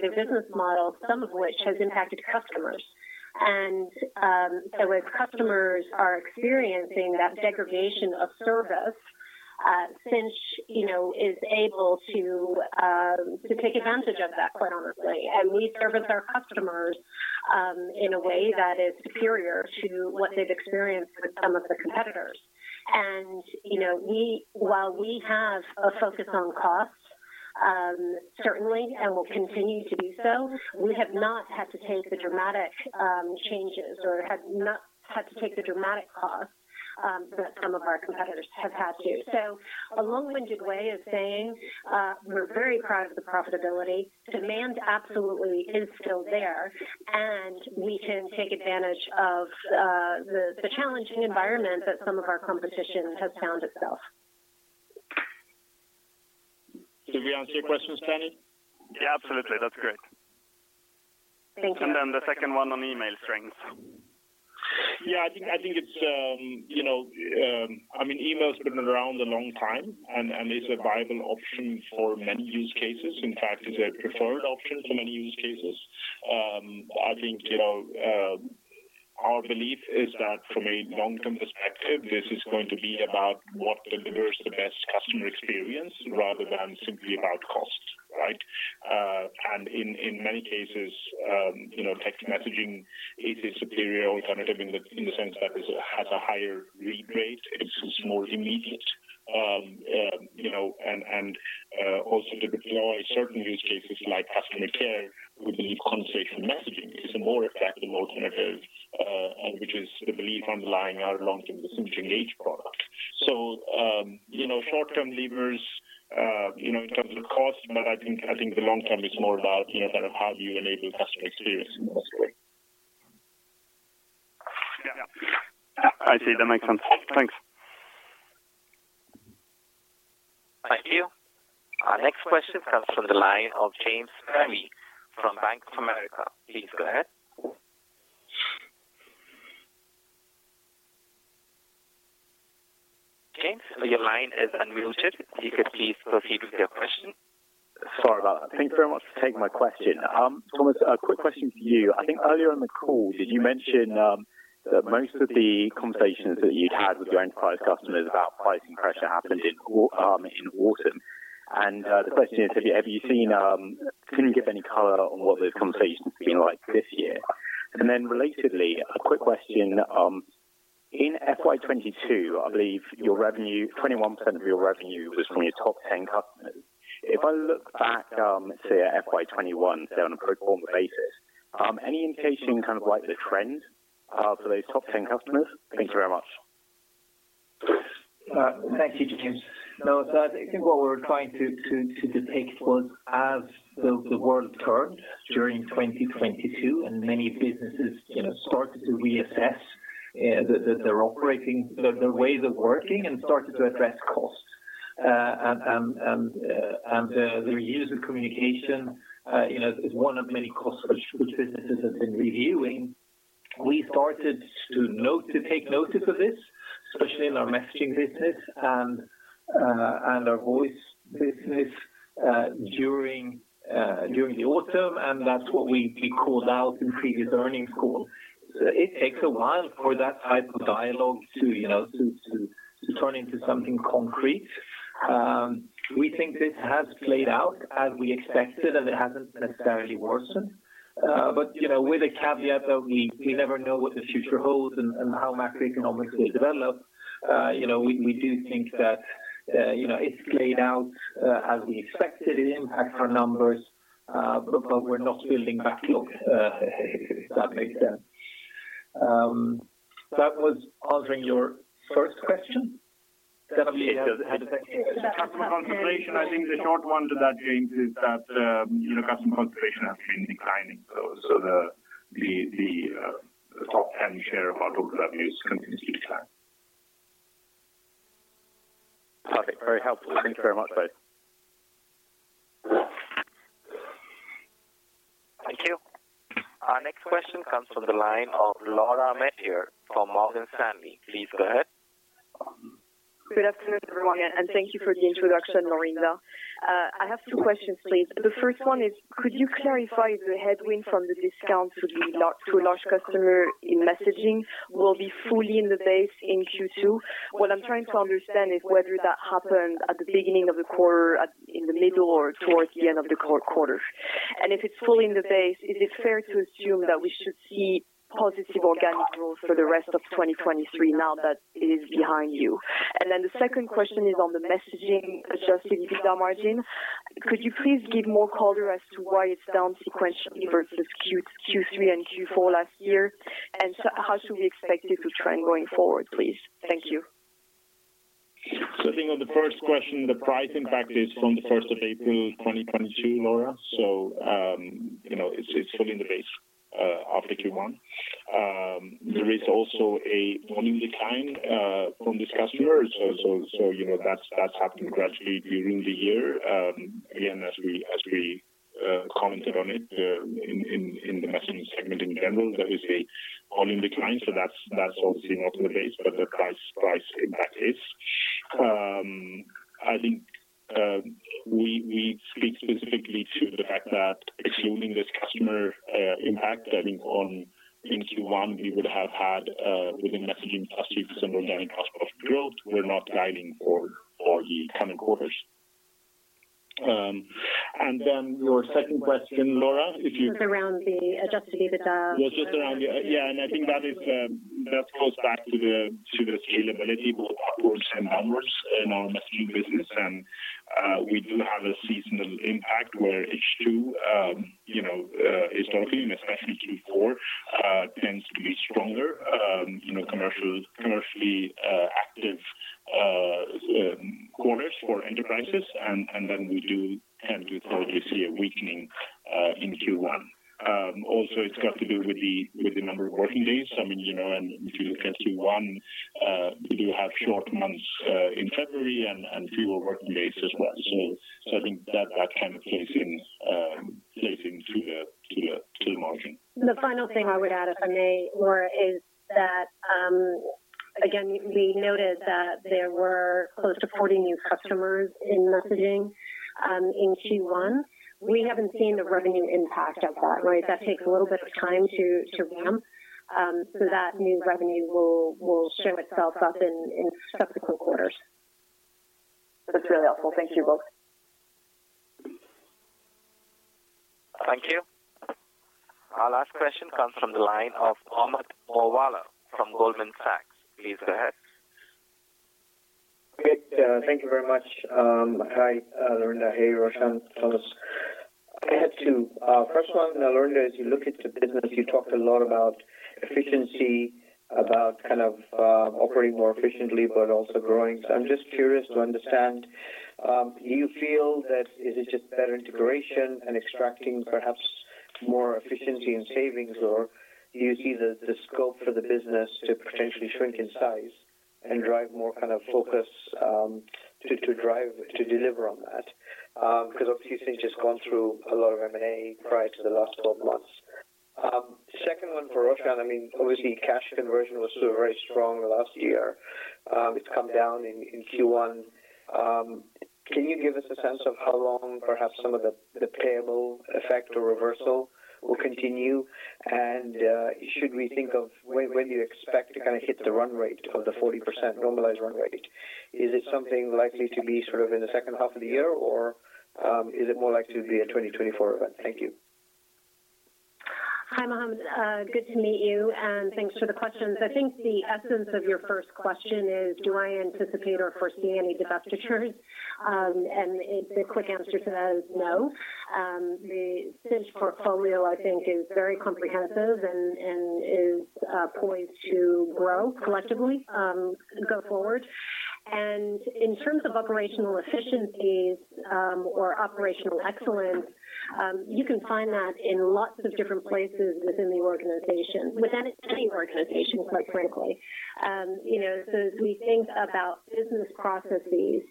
their business model, some of which has impacted customers. As customers are experiencing that degradation of service, Sinch, you know, is able to take advantage of that, quite honestly. We service our customers in a way that is superior to what they've experienced with some of the competitors. You know, while we have a focus on costs, certainly and will continue to do so, we have not had to take the dramatic changes or have not had to take the dramatic costs that some of our competitors have had to. A long-winded way of saying, we're very proud of the profitability. Demand absolutely is still there, and we can take advantage of the challenging environment that some of our competition has found itself. Did we answer your question, Danny? Yeah, absolutely. That's great. Thank you. The second one on email strengths. Yeah, I think it's, you know, I mean, email's been around a long time and is a viable option for many use cases. In fact, it's a preferred option for many use cases. I think, you know, our belief is that from a long-term perspective, this is going to be about what delivers the best customer experience rather than simply about cost, right? In many cases, you know, text messaging is a superior alternative in the sense that it has a higher read rate. It's more immediate. You know, and also to deploy certain use cases like customer care, we believe conversational messaging is a more effective alternative, and which is the belief underlying our long-term messaging engage product. You know, short-term levers, you know, in terms of cost, but I think the long-term is more about, you know, kind of how do you enable customer experience in the best way. Yeah. I see. That makes sense. Thanks. Thank you. Our next question comes from the line of James Pavey from Bank of America. Please go ahead. James, your line is unmuted. You can please proceed with your question. Sorry about that. Thank you very much for taking my question. Thomas, a quick question for you. I think earlier in the call, did you mention that most of the conversations that you'd had with your enterprise customers about pricing pressure happened in autumn? The question is, have you seen, can you give any color on what those conversations have been like this year? Relatedly, a quick question, in FY 2022, I believe your revenue, 21% of your revenue was from your top 10 customers. If I look back, say at FY 2021, say on a pro forma basis, any indication kind of like the trend for those top 10 customers? Thank you very much. Thank you, James. I think what we were trying to depict was as the world turned during 2022 and many businesses, you know, started to reassess their operating, their ways of working and started to address costs. The use of communication, you know, is one of many costs which businesses have been reviewing. We started to take notice of this, especially in our messaging business and our voice business during the autumn, and that's what we called out in previous earnings call. It takes a while for that type of dialogue to, you know, to turn into something concrete. We think this has played out as we expected, and it hasn't necessarily worsened. You know, with the caveat that we never know what the future holds and how macroeconomics will develop. You know, we do think that, you know, it's played out as we expected. It impacts our numbers, but we're not building backlogs, if that makes sense. That was answering your first question. Certainly it does. Customer concentration, I think the short one to that, James, is that, you know, customer concentration has been declining. The top 10 share of our total revenues continues to decline. Perfect. Very helpful. Thank you very much, both. Thank you. Our next question comes from the line of Laura Metayer from Morgan Stanley. Please go ahead. Good afternoon, everyone, and thank you for the introduction, Laurinda. I have two questions, please. The first one is could you clarify the headwind from the discount to a large customer in messaging will be fully in the base in Q2? What I'm trying to understand is whether that happened at the beginning of the quarter, in the middle or towards the end of the quarter. If it's fully in the base, is it fair to assume that we should see positive organic growth for the rest of 2023 now that it is behind you? The second question is on the messaging adjusted EBITDA margin. Could you please give more color as to why it's down sequentially versus Q3 and Q4 last year? How should we expect it to trend going forward, please? Thank you. I think on the 1st question, the price impact is from the 1st of April 2022, Laura. You know, it's fully in the base after Q1. There is also a volume decline from this customer. You know, that's happened gradually during the year. Again, as we commented on it in the messaging segment in general, there is a volume decline. That's obviously not in the base, but the price impact is. I think we speak specifically to the fact that excluding this customer impact, I think in Q1, we would have had within messaging +2% organic growth. We're not guiding for the coming quarters. Your second question, Laura, if you. It's around the adjusted EBITDA. I think that is that goes back to the scalability both upwards and downwards in our messaging business. We do have a seasonal impact where H2, you know, historically and especially Q4, tends to be stronger, you know, commercial, commercially, quarters for enterprises. We do tend to probably see a weakening in Q1. Also it's got to do with the number of working days. I mean, you know, if you look at Q1, we do have short months in February and fewer working days as well. I think that that kind of plays in plays into the margin. The final thing I would add, if I may, Laura, is that, again, we noted that there were close to 40 new customers in messaging, in Q1. We haven't seen the revenue impact of that, right? That takes a little bit of time to ramp, so that new revenue will show itself up in subsequent quarters. That's really helpful. Thank you both. Thank you. Our last question comes from the line of Mohammed Moawalla from Goldman Sachs. Please go ahead. Great. Thank you very much. Hi, Laurinda. Hey, Roshan, Thomas. I had two. First one, Laurinda, as you look at the business, you talked a lot about efficiency, about kind of operating more efficiently but also growing. I'm just curious to understand, do you feel that is it just better integration and extracting perhaps more efficiency and savings? Or do you see the scope for the business to potentially shrink in size and drive more kind of focus to drive to deliver on that? 'Cause obviously you've just gone through a lot of M&A prior to the last 12 months. Second one for Roshan. I mean, obviously cash conversion was sort of very strong last year. It's come down in Q1. Can you give us a sense of how long perhaps some of the payable effect or reversal will continue? Should we think of when do you expect to kinda hit the run rate of the 40% normalized run rate? Is it something likely to be sort of in the second half of the year, or is it more likely to be a 2024 event? Thank you. Hi, Mohammed. Good to meet you, and thanks for the questions. I think the essence of your first question is, do I anticipate or foresee any divestitures? The quick answer to that is no. The Sinch portfolio, I think, is very comprehensive and is poised to grow collectively, go forward. In terms of operational efficiencies, or operational excellence, you can find that in lots of different places within the organization, within any organization, quite frankly. You know, so as we think about business processes,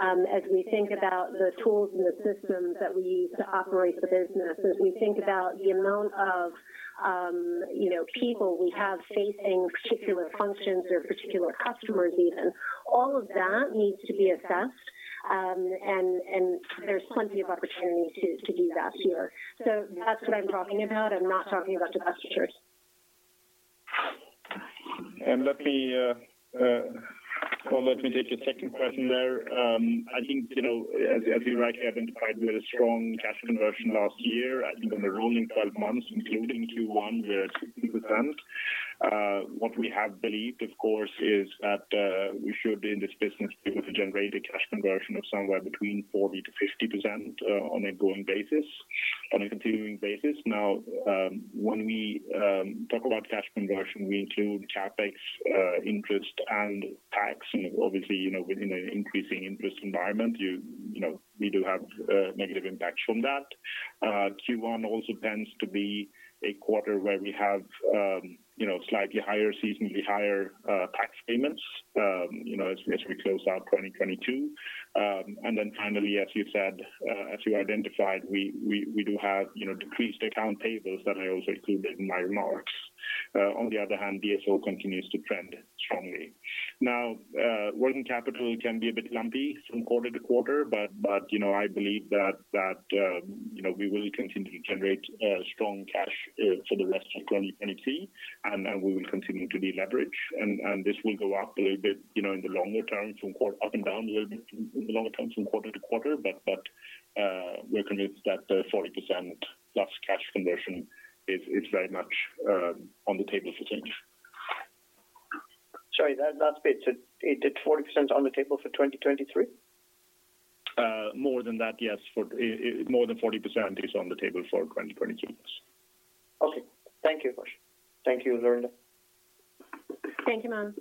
as we think about the tools and the systems that we use to operate the business, as we think about the amount of, you know, people we have facing particular functions or particular customers even, all of that needs to be assessed. There's plenty of opportunity to do that here. That's what I'm talking about. I'm not talking about divestitures. Well, let me take your second question there. I think, you know, as you rightly identified, we had a strong cash conversion last year. I think on a rolling 12 months, including Q1, we're at 60%. What we have believed, of course, is that we should be in this business be able to generate a cash conversion of somewhere between 40%-50% on a going basis, on a continuing basis. Now, when we talk about cash conversion, we include CapEx, interest and tax. Obviously, you know, within an increasing interest environment, you know, we do have negative impacts from that. Q1 also tends to be a quarter where we have, you know, slightly higher, seasonally higher, tax payments, you know, as we close out 2022. Finally, as you said, as you identified, we do have, you know, decreased account payables that I also included in my remarks. On the other hand, DSO continues to trend strongly. Now, working capital can be a bit lumpy from quarter to quarter, but, you know, I believe that, you know, we will continue to generate strong cash for the rest of 2023, and we will continue to deleverage. This will go up a little bit, you know, in the longer term from up and down a little bit in the longer term from quarter to quarter, but we're convinced that the 40% plus cash conversion is very much on the table for Sinch. Sorry, that last bit. Is it 40% on the table for 2023? More than that, yes. For, more than 40% is on the table for 2023, yes. Okay. Thank you, Roshan. Thank you, Laurinda. Thank you, Mohammed.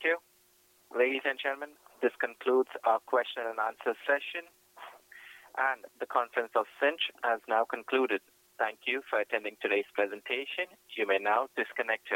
Thank you. Ladies and gentlemen, this concludes our question and answer session. The conference of Sinch has now concluded. Thank you for attending today's presentation. You may now disconnect your lines.